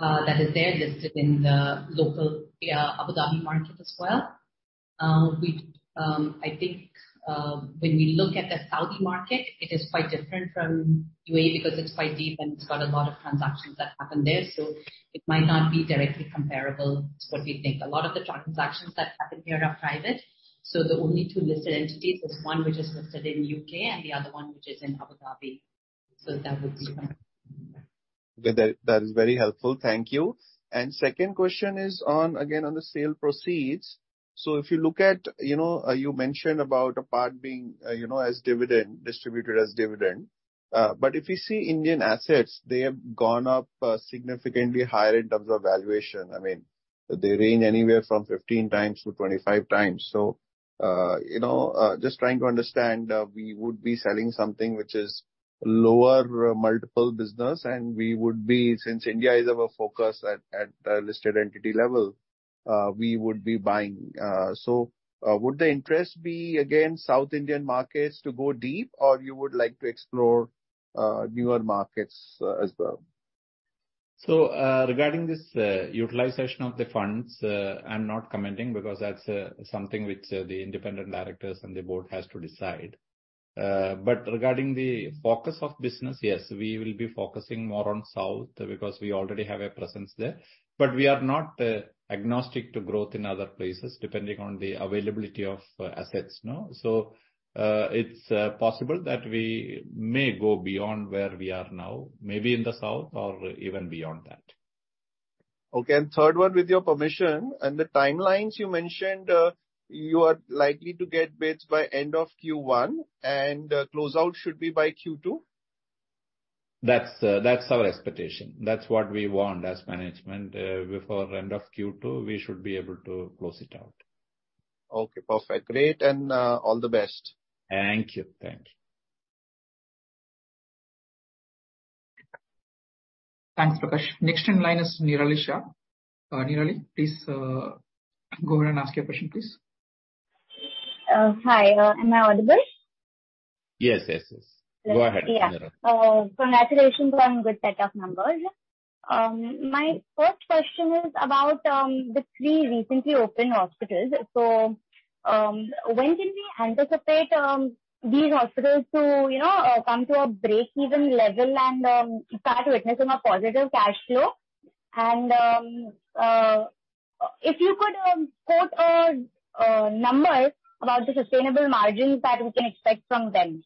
that is there, listed in the local Abu Dhabi market as well. We, I think, when we look at the Saudi market, it is quite different from UAE because it's quite deep, and it's got a lot of transactions that happen there. It might not be directly comparable to what we think. A lot of the transactions that happen here are private, the only two listed entities is one which is listed in UK and the other one which is in Abu Dhabi. That would be one. Good. That, that is very helpful. Thank you. Second question is on, again, on the sale proceeds. If you look at, you know, you mentioned about a part being, you know, as dividend, distributed as dividend. If you see Indian assets, they have gone up significantly higher in terms of valuation. I mean, they range anywhere from 15 times to 25 times. You know, just trying to understand, we would be selling something which is lower multiple business. Since India is our focus at the listed entity level, we would be buying. Would the interest be, again, South Indian markets to go deep, or you would like to explore newer markets as well? Regarding this utilization of the funds, I'm not commenting because that's something which the independent directors and the board has to decide. Regarding the focus of business, yes, we will be focusing more on South because we already have a presence there. We are not agnostic to growth in other places, depending on the availability of assets now. It's possible that we may go beyond where we are now, maybe in the South or even beyond that. Okay. Third one, with your permission, and the timelines you mentioned, you are likely to get bids by end of Q1, and closeout should be by Q2? That's our expectation. That's what we want as management. Before end of Q2, we should be able to close it out. Okay, perfect. Great, and all the best. Thank you. Thank you. Thanks, Prakash. Next in line is Nirali Shah. Nirali, please, go ahead and ask your question, please. Hi, am I audible? Yes, yes. Yes. Go ahead, Nirali. Yeah. Congratulations on good set of numbers. My first question is about the three recently opened hospitals. When can we anticipate these hospitals to, you know, come to a breakeven level and start witnessing a positive cash flow? If you could quote a number about the sustainable margins that we can expect from them.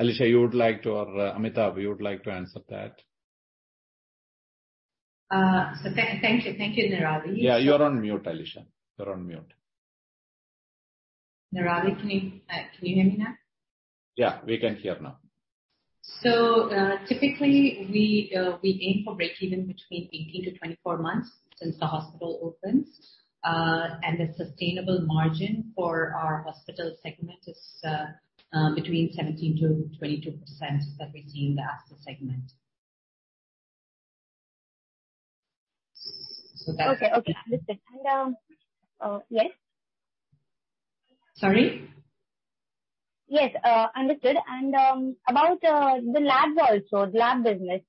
Alisha, you would like to, or, Amitabh, you would like to answer that? Thank you. Thank you, Nirali. Yeah, you're on mute, Alisha. You're on mute. Nirali, can you hear me now? Yeah, we can hear now. Typically, we aim for breakeven between 18-24 months since the hospital opens. The sustainable margin for our hospital segment is between 17%-22% that we see in the Aster segment. Okay, okay. Understood. Yes? Sorry? Yes, understood. About, the lab also, the lab business.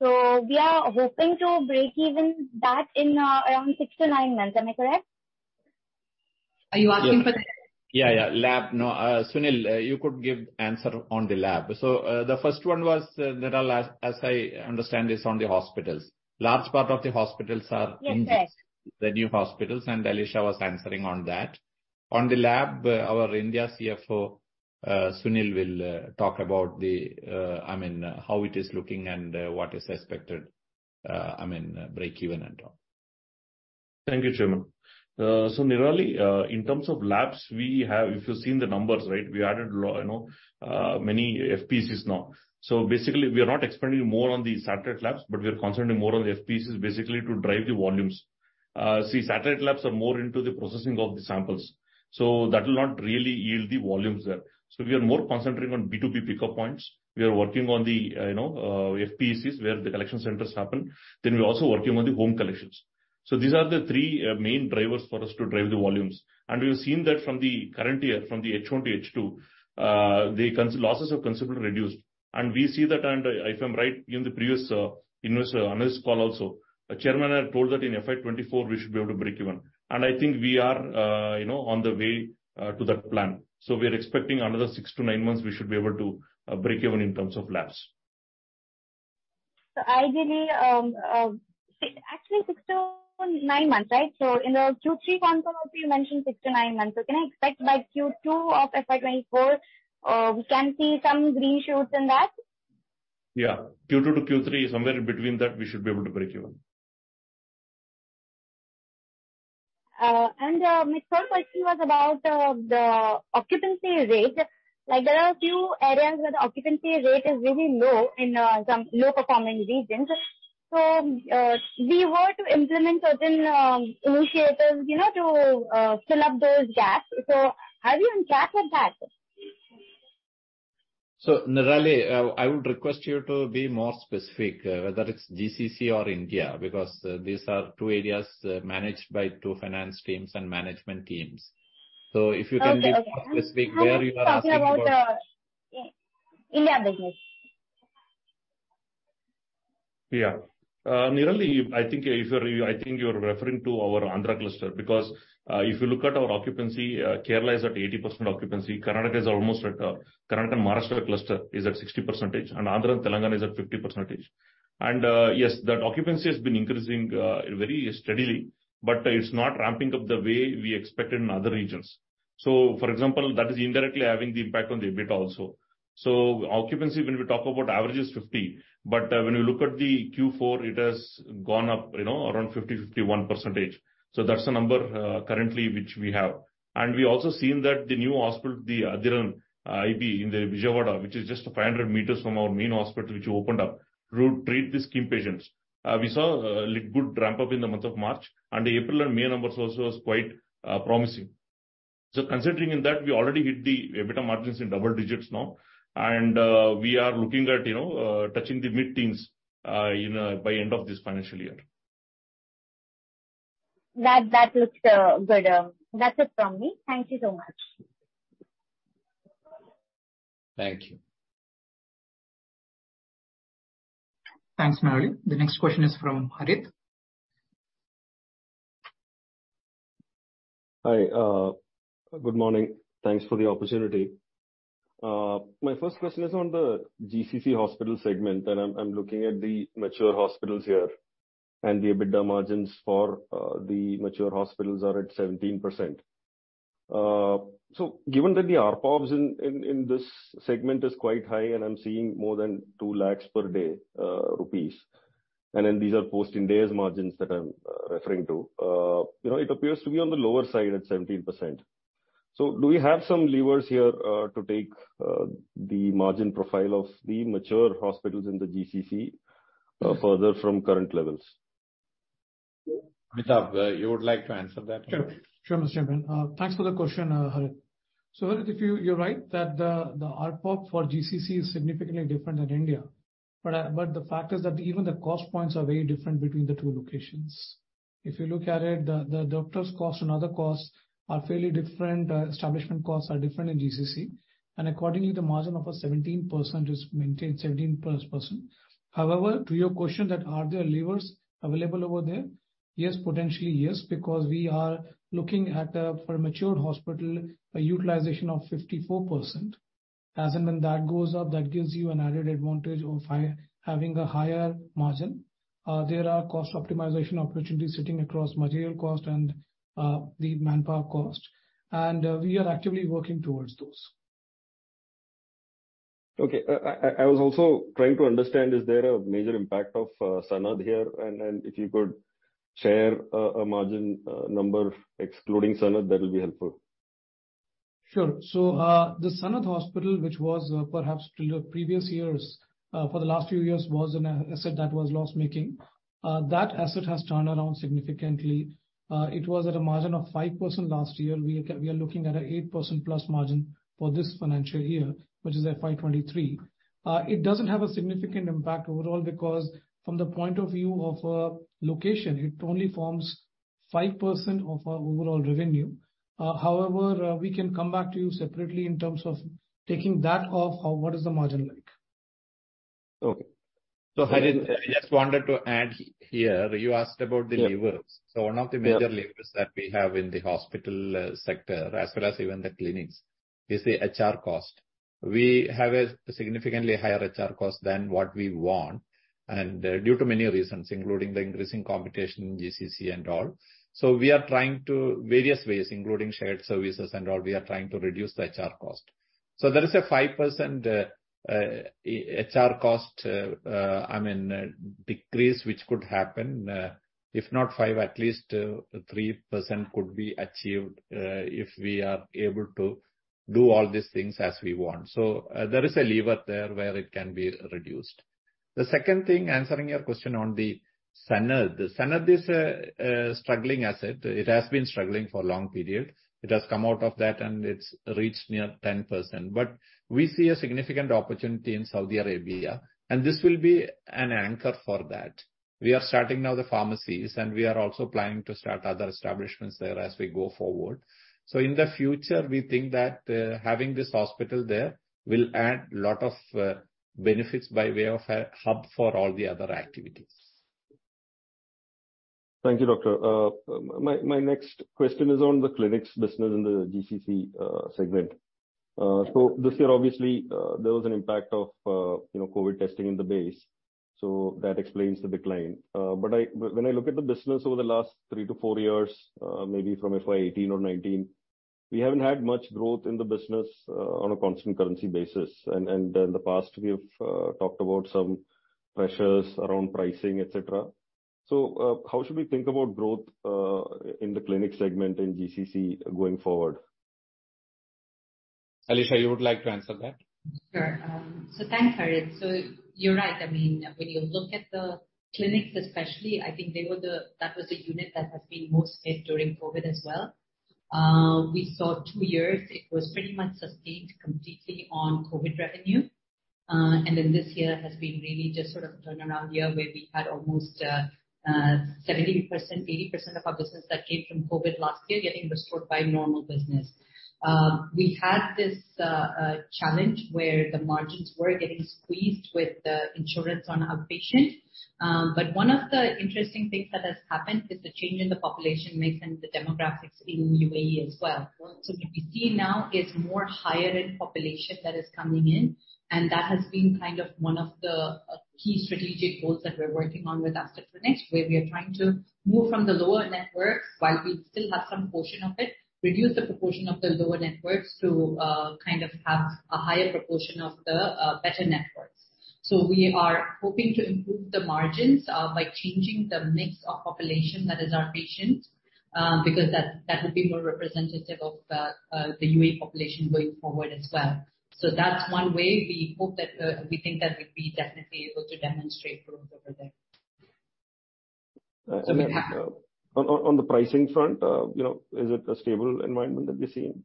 We are hoping to breakeven that in, around 6 to 9 months. Am I correct? Are you asking for the-? Yeah. Labs. Sunil, you could give answer on the Labs. The first one was Nirali, as I understand, is on the hospitals. Large part of the hospitals are- Yes, yes. the new hospitals. Alisha was answering on that. On the lab, our India CFO, Sunil, will talk about the, I mean, how it is looking and what is expected, I mean, breakeven and all. Thank you, Chairman. So, Nirali, in terms of labs, we have, if you've seen the numbers, right, we added you know, many FPCs now. Basically, we are not expanding more on the satellite labs, but we are concentrating more on the FPCs, basically to drive the volumes. See, satellite labs are more into the processing of the samples, so that will not really yield the volumes there. We are more concentrating on B2B pickup points. We are working on the, you know, FPCs, where the collection centers happen. We're also working on the home collections. These are the three main drivers for us to drive the volumes. We've seen that from the current year, from the H1 to H2, the losses have considerably reduced. We see that, and if I'm right, in the previous investor analyst call also, Chairman had told that in FY 2024 we should be able to breakeven. I think we are, you know, on the way to that plan. We are expecting another 6 to 9 months, we should be able to breakeven in terms of labs. Ideally, actually 6 to 9 months, right? In the Q3 conference call, you mentioned 6 to 9 months. Can I expect by Q2 of FY 2024, we can see some green shoots in that? Yeah. Q2 to Q3, somewhere in between that, we should be able to break even. My third question was about the occupancy rate. Like, there are a few areas where the occupancy rate is really low in some low-performing regions. We were to implement certain initiatives, you know, to fill up those gaps. Are you on track with that? Nirali, I would request you to be more specific, whether it's GCC or India, because these are two areas, managed by two finance teams and management teams. If you can be more specific where you are asking about. Okay. I'm talking about India business. Nirali, I think you're referring to our Andhra cluster, because if you look at our occupancy, Kerala is at 80% occupancy, Karnataka is almost at Karnataka-Maharashtra cluster is at 60%, and Andhra and Telangana is at 50%. Yes, that occupancy has been increasing very steadily, but it's not ramping up the way we expected in other regions. That is indirectly having the impact on the EBIT also. Occupancy, when we talk about average, is 50, but when you look at the Q4, it has gone up, you know, around 50-51%. That's the number currently which we have. We also seen that the new hospital, the Aadiram IB in the Vijayawada, which is just 500 meters from our main hospital, which opened up, to treat the skin patients. We saw, like, good ramp-up in the month of March, and April and May numbers also was quite promising. Considering in that, we already hit the EBITDA margins in double digits now, and we are looking at, you know, touching the mid-teens, you know, by end of this financial year. That looks good. That's it from me. Thank you so much. Thank you. Thanks, Nirali. The next question is from Harit. Hi, good morning. Thanks for the opportunity. My first question is on the GCC hospital segment, and I'm looking at the mature hospitals here, and the EBITDA margins for the mature hospitals are at 17%. Given that the ARPOB in this segment is quite high, and I'm seeing more than 2 lakhs per day, rupees, and then these are post‑Ind AS margins that I'm referring to, you know, it appears to be on the lower side at 17%. Do we have some levers here to take the margin profile of the mature hospitals in the GCC further from current levels? Amitabh, you would like to answer that? Sure. Sure, Mr. Chairman. Thanks for the question, Harit. Harit, if you're right, that the ARPOB for GCC is significantly different than India, but the fact is that even the cost points are very different between the two locations. If you look at it, the doctors' cost and other costs are fairly different, establishment costs are different in GCC, and accordingly, the margin of 17% is maintained, 17%+. However, to your question, that are there levers available over there? Yes, potentially, yes, because we are looking at, for a mature hospital, a utilization of 54%. As and when that goes up, that gives you an added advantage of having a higher margin. There are cost optimization opportunities sitting across material cost and the manpower cost, and we are actively working towards those. Okay. I was also trying to understand, is there a major impact of Sanad here? If you could share a margin number excluding Sanad, that will be helpful. Sure. The Sanad Hospital, which was perhaps till the previous years, for the last few years, was an asset that was loss-making. That asset has turned around significantly. It was at a margin of 5% last year. We are looking at an 8%+ margin for this financial year, which is FY 2023. It doesn't have a significant impact overall because from the point of view of location, it only forms 5% of our overall revenue. However, we can come back to you separately in terms of taking that off of what is the margin like. Okay. Harit, I just wanted to add here, you asked about the levers. Yeah. one of the major levers. Yeah... that we have in the hospital, sector, as well as even the clinics, is the HR cost. We have a significantly higher HR cost than what we want, and due to many reasons, including the increasing competition in GCC and all. We are trying to, various ways, including shared services and all, we are trying to reduce the HR cost. There is a 5%, I mean, decrease, which could happen. If not five, at least, 3% could be achieved, if we are able to do all these things as we want. There is a lever there where it can be reduced. The second thing, answering your question on the Sanad. The Sanad is a struggling asset. It has been struggling for a long period. It has come out of that, and it's reached near 10%. We see a significant opportunity in Saudi Arabia. This will be an anchor for that. We are starting now the pharmacies. We are also planning to start other establishments there as we go forward. In the future, we think that having this hospital there will add lot of benefits by way of a hub for all the other activities. ... Thank you, doctor. My next question is on the clinics business in the GCC segment. This year, obviously, there was an impact of, you know, COVID testing in the base, so that explains the decline. When I look at the business over the last three to four years, maybe from FY18 or 19, we haven't had much growth in the business on a constant currency basis. In the past, we have talked about some pressures around pricing, et cetera. How should we think about growth in the clinic segment in GCC going forward? Alisha, you would like to answer that? Sure. Thanks, Harit. You're right. I mean, when you look at the clinics especially, I think that was the unit that has been most hit during COVID as well. We saw 2 years, it was pretty much sustained completely on COVID revenue. This year has been really just sort of a turnaround year, where we had almost 70%-80% of our business that came from COVID last year, getting restored by normal business. We had this challenge where the margins were getting squeezed with the insurance on our patient. One of the interesting things that has happened is the change in the population mix and the demographics in UAE as well. What we see now is more higher-end population that is coming in. That has been kind of one of the key strategic goals that we're working on with Aster for next, where we are trying to move from the lower networks while we still have some portion of it, reduce the proportion of the lower networks to kind of have a higher proportion of the better networks. We are hoping to improve the margins by changing the mix of population that is our patient, because that would be more representative of the UAE population going forward as well. That's one way we hope that we think that we'll be definitely able to demonstrate growth over there. On the pricing front, you know, is it a stable environment that we see in?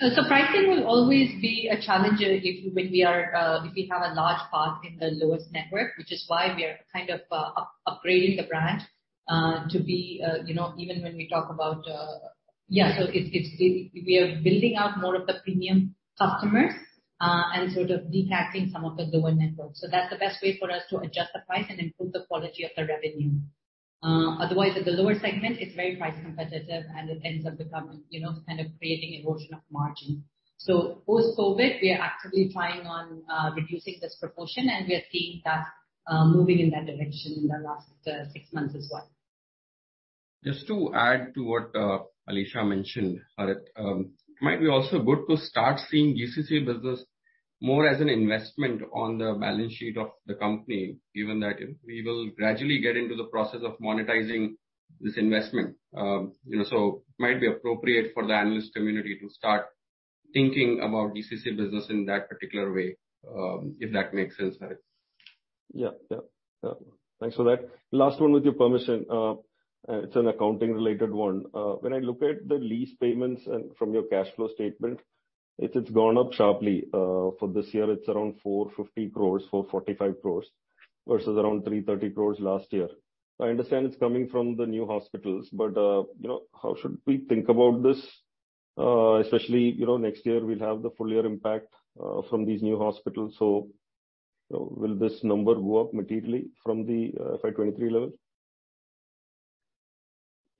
Pricing will always be a challenge if, when we are, if we have a large part in the lowest network, which is why we are kind of, upgrading the brand to be, you know, even when we talk about. It's, we are building out more of the premium customers and sort of de‑stacking some of the lower networks. That's the best way for us to adjust the price and improve the quality of the revenue. Otherwise, at the lower segment, it's very price competitive, and it ends up becoming, you know, kind of creating erosion of margin. Post-COVID, we are actively trying on reducing this proportion, and we are seeing that moving in that direction in the last six months as well. Just to add to what, Alisha mentioned, Harit, it might be also good to start seeing GCC business more as an investment on the balance sheet of the company, given that we will gradually get into the process of monetizing this investment. You know, so it might be appropriate for the analyst community to start thinking about GCC business in that particular way, if that makes sense, Harit. Yeah. Yeah. Yeah. Thanks for that. Last one with your permission. It's an accounting-related one. When I look at the lease payments and from your cash flow statement, it's gone up sharply. For this year, it's around 450 crores, 445 crores, versus around 330 crores last year. I understand it's coming from the new hospitals, but, you know, how should we think about this? Especially, you know, next year we'll have the full year impact from these new hospitals. Will this number go up materially from the FY23 level?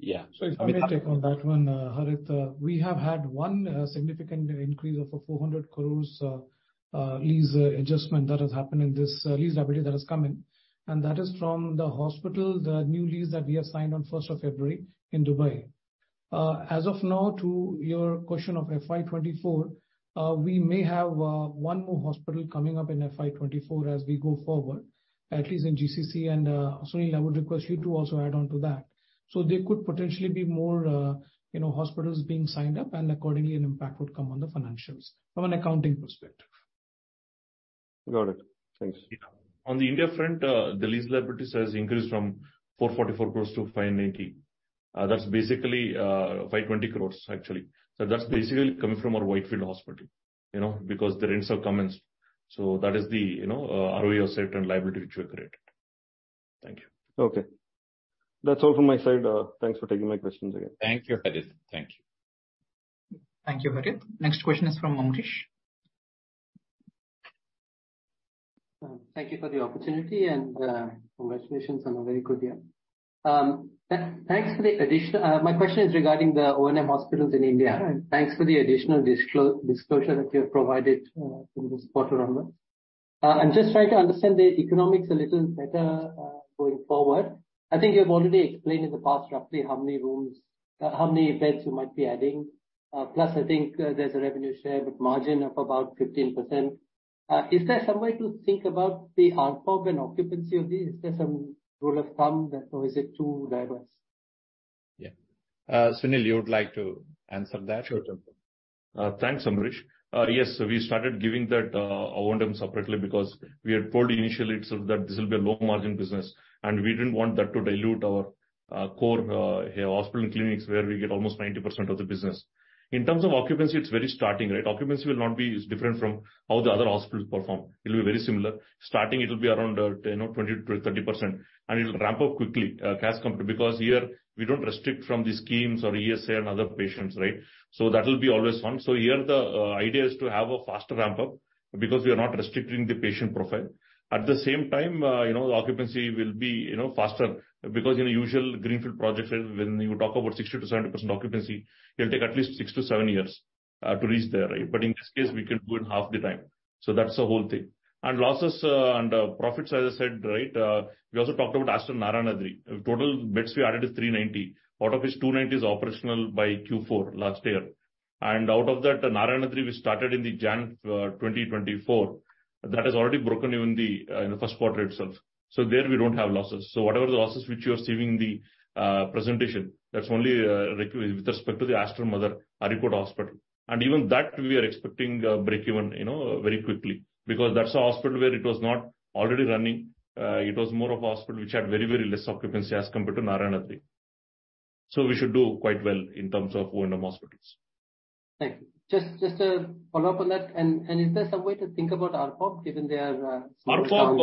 Yeah. Let me take on that one, Harit. We have had one significant increase of 400 crores lease adjustment that has happened in this lease liability that has come in. That is from the hospital, the new lease that we have signed on first of February in Dubai. As of now, to your question of FY 2024, we may have one more hospital coming up in FY 2024 as we go forward, at least in GCC. Sunil, I would request you to also add on to that. There could potentially be more, you know, hospitals being signed up, and accordingly, an impact would come on the financials from an accounting perspective. Got it. Thanks. Yeah. On the India front, the lease liabilities has increased from 444 crores to 590 crores. That's basically, 520 crores, actually. That's basically coming from our Whitefield hospital, you know, because the rents have commenced. That is the, you know, ROU of certain liability, which we created. Thank you. Okay. That's all from my side. Thanks for taking my questions again. Thank you, Harit. Thank you. Thank you, Harit. Next question is from Ambarish. Thank you for the opportunity, and congratulations on a very good year. Thanks for the addition. My question is regarding the O&M hospitals in India. Right. Thanks for the additional disclosure that you have provided, in this quarter on that. I'm just trying to understand the economics a little better, going forward. I think you've already explained in the past, roughly how many rooms, how many beds you might be adding. Plus, I think, there's a revenue share, but margin of about 15%. Is there some way to think about the ramp up and occupancy of these? Is there some rule of thumb, or is it too diverse? Yeah. Sunil, you would like to answer that? Sure. Thanks, Ambarish. Yes, we started giving that O&M separately because we had pulled initially so that this will be a low-margin business, and we didn't want that to dilute our core hospital and clinics, where we get almost 90% of the business. In terms of occupancy, it's very starting, right? Occupancy will not be different from how the other hospitals perform. It'll be very similar. Starting, it'll be around, you know, 20%-30%, and it'll ramp up quickly because here we don't restrict from the schemes or ESIS and other patients, right? That will be always one. Here, the idea is to have a faster ramp up, because we are not restricting the patient profile. At the same time, you know, the occupancy will be, you know, faster because, you know, usual greenfield projects, when you talk about 60%-70% occupancy, it'll take at least 6-7 years to reach there, right? In this case, we can do it in half the time. That's the whole thing. Losses and profits, as I said, right, we also talked about Aster Narayanadri. Total beds we added is 390, out of which 290 is operational by Q4 last year. Out of that, the Aster Narayanadri we started in January 2024, that has already broken even in the Q1 itself. There we don't have losses. Whatever the losses which you are seeing in the presentation, that's only with respect to the Aster Mother Hospital, Areekode. Even that, we are expecting breakeven, you know, very quickly, because that's a hospital where it was not already running. It was more of a hospital which had very, very less occupancy as compared to Narayanadri. We should do quite well in terms of O&M hospitals. Thank you. Just, just to follow up on that, and is there some way to think about ARPOB, given their... ARPOB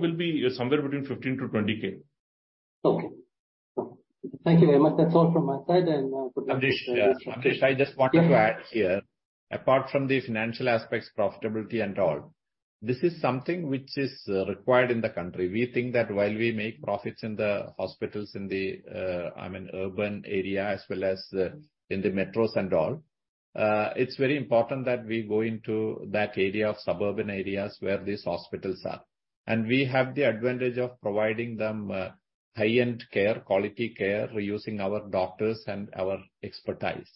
will be somewhere between 15 K-INR 20 K. Okay. Thank you very much. That's all from my side, and good luck. Amrish, I just wanted to add here, apart from the financial aspects, profitability and all, this is something which is required in the country. We think that while we make profits in the hospitals in the, I mean, urban area as well as in the metros and all, it's very important that we go into that area of suburban areas where these hospitals are. We have the advantage of providing them high-end care, quality care, using our doctors and our expertise.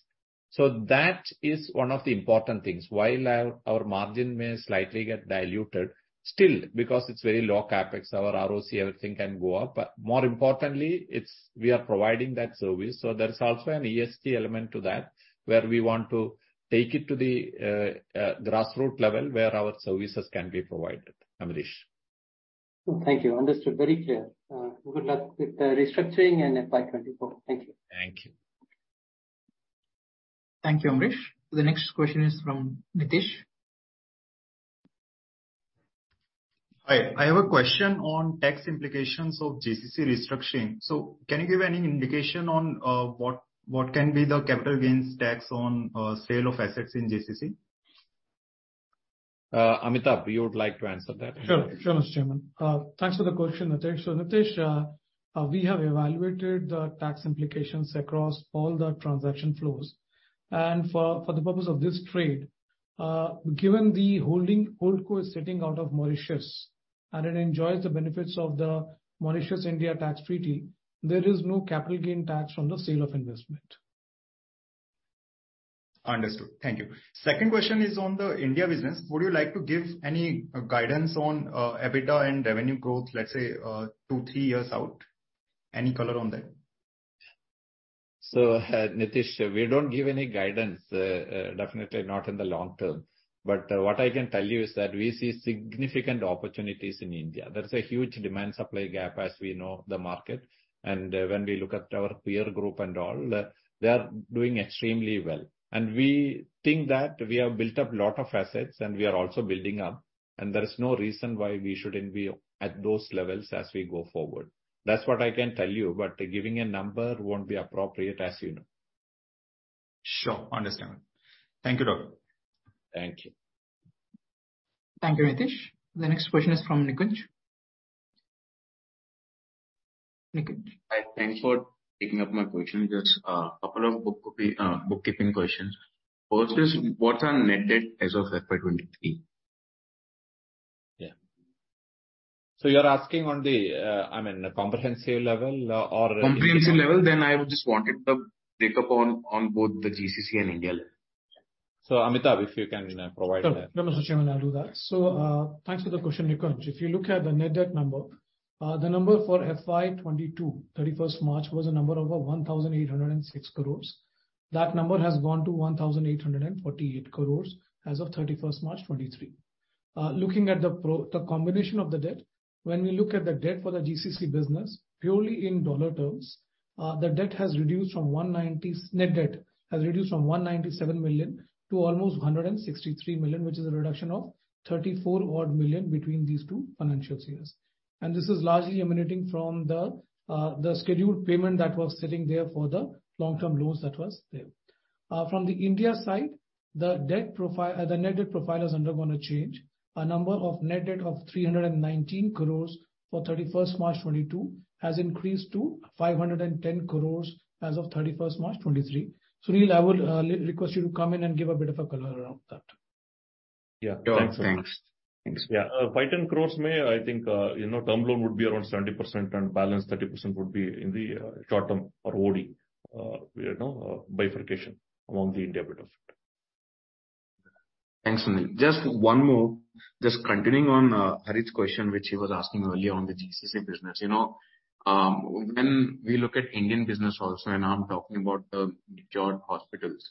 That is one of the important things. While our margin may slightly get diluted, still, because it's very low CapEx, our ROC, everything can go up. More importantly, we are providing that service, so there is also an ESG element to that, where we want to take it to the grassroot level, where our services can be provided, Amrish. Thank you. Understood very clear. Good luck with the restructuring and in by 2024. Thank you. Thank you. Thank you, Amrish. The next question is from Nitish. Hi. I have a question on tax implications of GCC restructuring. Can you give any indication on what can be the capital gains tax on sale of assets in GCC? Amitabh, you would like to answer that? Sure. Sure, Mr. Chairman. Thanks for the question, Nitish. Nitish, we have evaluated the tax implications across all the transaction flows. For the purpose of this trade, given the hold co is sitting out of Mauritius, and it enjoys the benefits of the Mauritius-India tax treaty, there is no capital gain tax on the sale of investment. Understood. Thank you. Second question is on the India business. Would you like to give any guidance on EBITDA and revenue growth, let's say, two, three years out? Any color on that? Nitish, we don't give any guidance, definitely not in the long term. What I can tell you is that we see significant opportunities in India. There's a huge demand-supply gap, as we know the market. When we look at our peer group and all, they are doing extremely well. We think that we have built up a lot of assets, and we are also building up, and there is no reason why we shouldn't be at those levels as we go forward. That's what I can tell you, but giving a number won't be appropriate, as you know. Sure. Understand. Thank you, Rahul. Thank you. Thank you, Nitish. The next question is from Nikunj. Nikunj? Hi, thanks for taking up my question. Just a couple of bookkeeping questions. First is, what's our net debt as of FY 23? Yeah. You're asking on the, I mean, comprehensive level or? Comprehensive level, I would just wanted the breakup on both the GCC and India level. Amitabh, if you can provide that. Sure. Mr. Chairman, I'll do that. Thanks for the question, Nikunj. If you look at the net debt number, the number for FY 2022, 31st March, was a number over 1,806 crores. That number has gone to 1,848 crores as of 31st March, 2023. Looking at the combination of the debt, when we look at the debt for the GCC business, purely in dollar terms, the net debt has reduced from $197 million to almost $163 million, which is a reduction of $34 odd million between these two financial years. This is largely emanating from the scheduled payment that was sitting there for the long-term loans that was there. From the India side, the debt profile, the net debt profile has undergone a change. A number of net debt of 319 crores for March 31, 2022, has increased to 510 crores as of March 31, 2023. Sunil, I would request you to come in and give a bit of a color around that. Yeah. Thanks. Thanks. Yeah, 5-10 crores may, I think, you know, term loan would be around 70%, and balance 30% would be in the short term or OD, you know, bifurcation among the India bit of it. Thanks, Sunil. Just one more. Just continuing on Harit's question, which he was asking earlier on the GCC business. You know, when we look at Indian business also, and I'm talking about the Aster Ramesh Hospitals,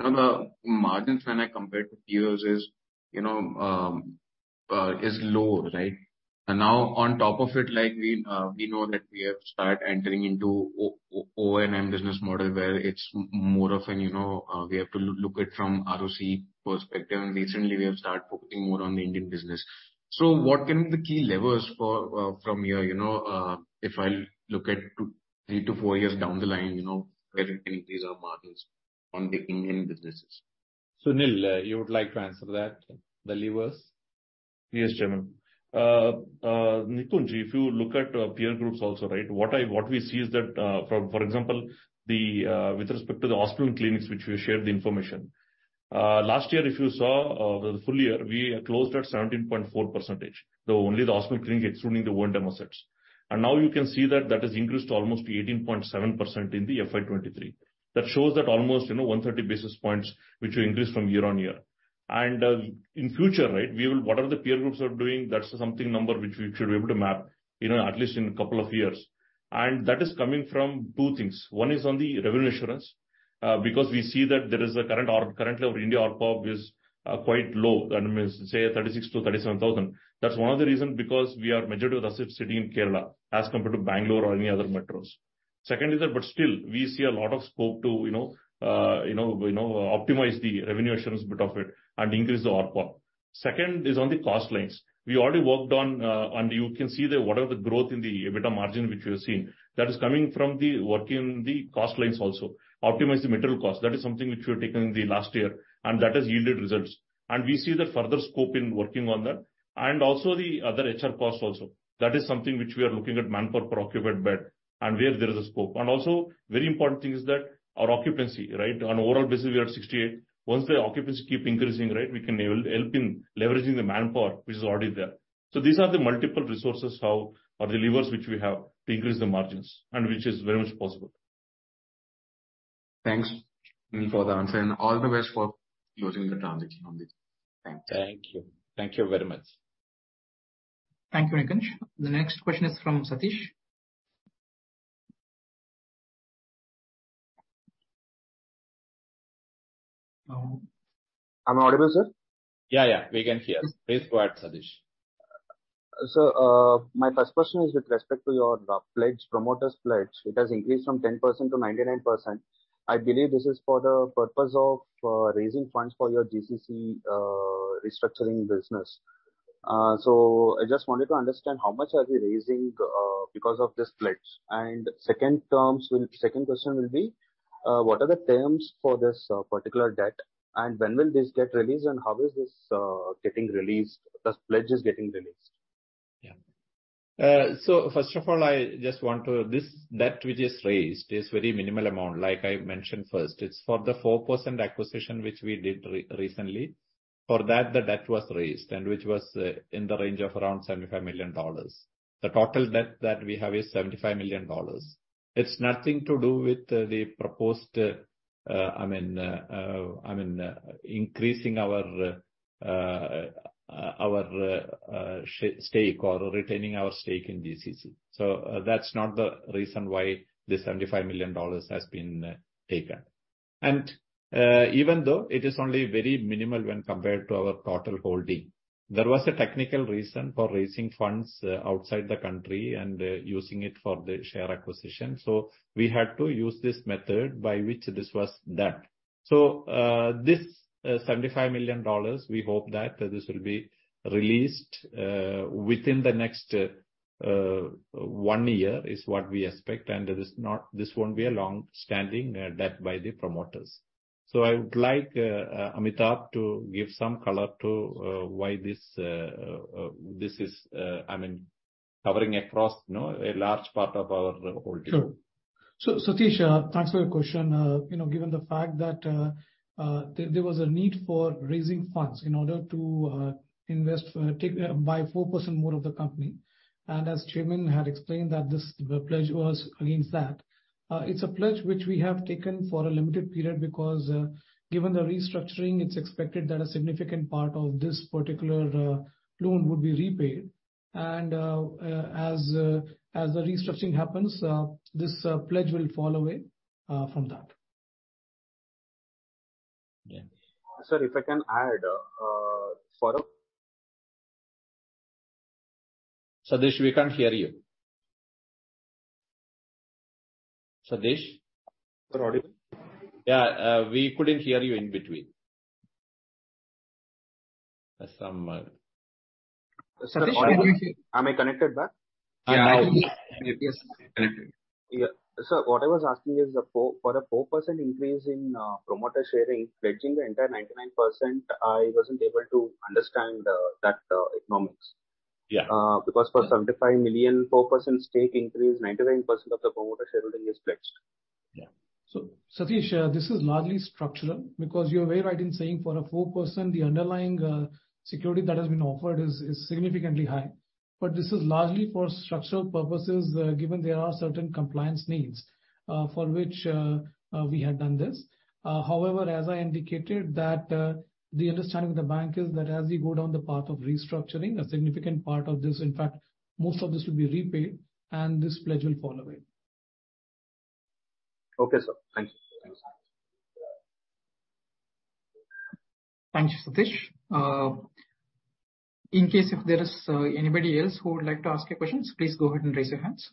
you know, the margins when I compare to peers is, you know, is low, right? Now on top of it, like, we know that we have started entering into O&M business model, where it's more of an, you know, we have to look at from ROC perspective, and recently we have started focusing more on the Indian business. What can be the key levers for from here, you know, if I look at 2, 3 to 4 years down the line, you know, where we can increase our margins on the Indian businesses? Sunil, you would like to answer that, the levers? Yes, Chairman. Nikunj, if you look at peer groups also, right, what we see is that for example, with respect to the hospital and clinics, which we shared the information. Last year, if you saw the full year, we closed at 17.4%, so only the hospital and clinic, excluding the home diagnostic sets. Now you can see that that has increased to almost 18.7% in the FY23. That shows that almost, you know, 130 basis points, which will increase from year-on-year. In future, right, we will what are the peer groups are doing, that's something number which we should be able to map, you know, at least in a couple of years. That is coming from two things: one is on the revenue assurance, because we see that currently our India ARPA is quite low, that means, say, 36,000-37,000. That's one of the reasons, because we are majorly with asset sitting in Kerala, as compared to Bangalore or any other metros. We see a lot of scope to, you know, optimize the revenue assurance bit of it and increase the ARPA. Second is on the cost lines. We already worked on. You can see that whatever the growth in the EBITDA margin which you have seen, that is coming from the work in the cost lines also. Optimize the material cost, that is something which we have taken in the last year, and that has yielded results. We see the further scope in working on that, and also the other HR costs also. That is something which we are looking at manpower per occupied bed, and where there is a scope. Also very important thing is that our occupancy, right? On overall basis, we are at 68. Once the occupancy keep increasing, right, we can help in leveraging the manpower which is already there. These are the multiple resources how, or the levers which we have to increase the margins and which is very much possible. Thanks for the answer, and all the best for closing the transaction on this. Thank you. Thank you. Thank you very much. Thank you, Nikunj. The next question is from Satish. Am I audible, sir? Yeah, yeah, we can hear. Please go ahead, Satish. My first question is with respect to your pledge, promoter's pledge. It has increased from 10% to 99%. I believe this is for the purpose of raising funds for your GCC restructuring business. I just wanted to understand how much are we raising because of this pledge? Second question will be, what are the terms for this particular debt, and when will this get released, and how is this getting released, this pledge is getting released? First of all, I just want to. This debt which is raised is very minimal amount. Like I mentioned first, it's for the 4% acquisition which we did recently. For that, the debt was raised, and which was in the range of around $75 million. The total debt that we have is $75 million. It's nothing to do with the proposed, I mean, increasing our stake or retaining our stake in GCC. That's not the reason why the $75 million has been taken. Even though it is only very minimal when compared to our total holding, there was a technical reason for raising funds outside the country and using it for the share acquisition. We had to use this method by which this was done. This, $75 million, we hope that this will be released within the next one year, is what we expect, and this not, this won't be a long-standing debt by the promoters. I would like Amitabh to give some color to why this is, I mean, covering across, you know, a large part of our holding. Sure. Satish, thanks for your question. you know, given the fact that there was a need for raising funds in order to invest, take, buy 4% more of the company, and as Chairman had explained that this, the pledge was against that. it's a pledge which we have taken for a limited period, because given the restructuring, it's expected that a significant part of this particular loan would be repaid. as the restructuring happens, this pledge will fall away from that. Yeah. Sir, if I can add. Satish, we can't hear you. Satish? Sir, audible? Yeah, we couldn't hear you in between. There's some. Satish- Am I connected back? Yeah. Yes, connected. Yeah. Sir, what I was asking is for a 4% increase in promoter sharing, pledging the entire 99%, I wasn't able to understand that economics. Yeah. Because for $75 million, 4% stake increase, 99% of the promoter shareholding is pledged. Yeah. Satish, this is largely structural, because you're very right in saying for a 4%, the underlying security that has been offered is significantly high. This is largely for structural purposes, given there are certain compliance needs, for which we had done this. As I indicated that, the understanding with the bank is that as we go down the path of restructuring, a significant part of this, in fact, most of this will be repaid, and this pledge will fall away. Okay, sir. Thank you. Thank you, Satish. In case if there is, anybody else who would like to ask a question, please go ahead and raise your hands.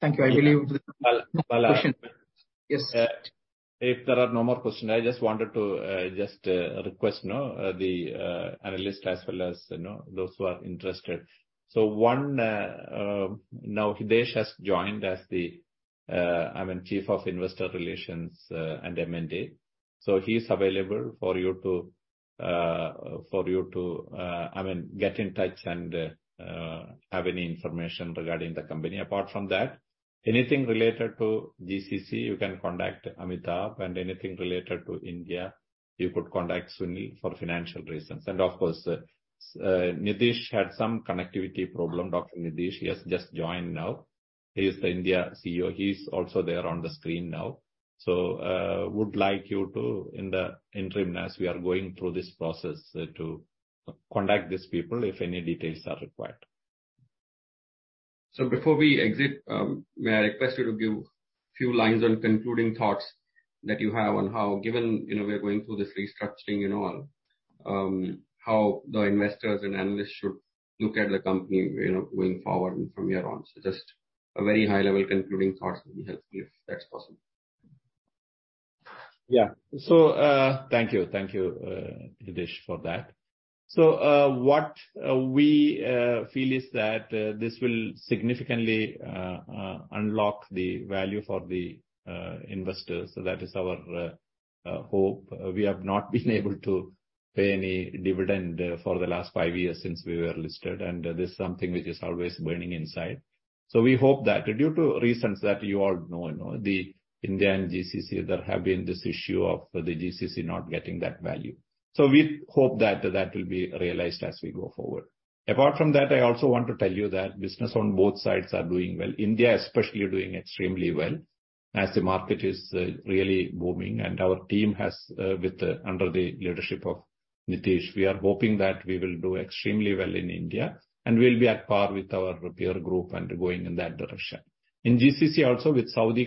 Thank you. Yes, if there are no more questions, I just wanted to just request, you know, the analyst as well as, you know, those who are interested. One, now Hitesh has joined as the, I mean, Chief of Investor Relations and M&A. He's available for you to, I mean, get in touch and have any information regarding the company. Apart from that, anything related to GCC, you can contact Amitabh, and anything related to India, you could contact Sunil for financial reasons. Of course, Nitish had some connectivity problem, Dr. Nitish, he has just joined now. He is the India CEO. He's also there on the screen now.would like you to, in the interim, as we are going through this process, to contact these people if any details are required. Before we exit, may I request you to give few lines on concluding thoughts that you have on how, given, you know, we are going through this restructuring, you know, how the investors and analysts should look at the company, you know, going forward from here on? Just a very high level concluding thoughts will be helpful, if that's possible. Thank you. Thank you, Hitesh, for that. What we feel is that this will significantly unlock the value for the investors. That is our hope. We have not been able to pay any dividend for the last five years since we were listed, and this is something which is always burning inside. We hope that due to reasons that you all know, you know, the India and GCC, there have been this issue of the GCC not getting that value. We hope that that will be realized as we go forward. Apart from that, I also want to tell you that business on both sides are doing well. India especially, is doing extremely well as the market is really booming and our team has under the leadership of Nitish, we are hoping that we will do extremely well in India, and we'll be at par with our peer group and going in that direction. In GCC also with Saudi coming...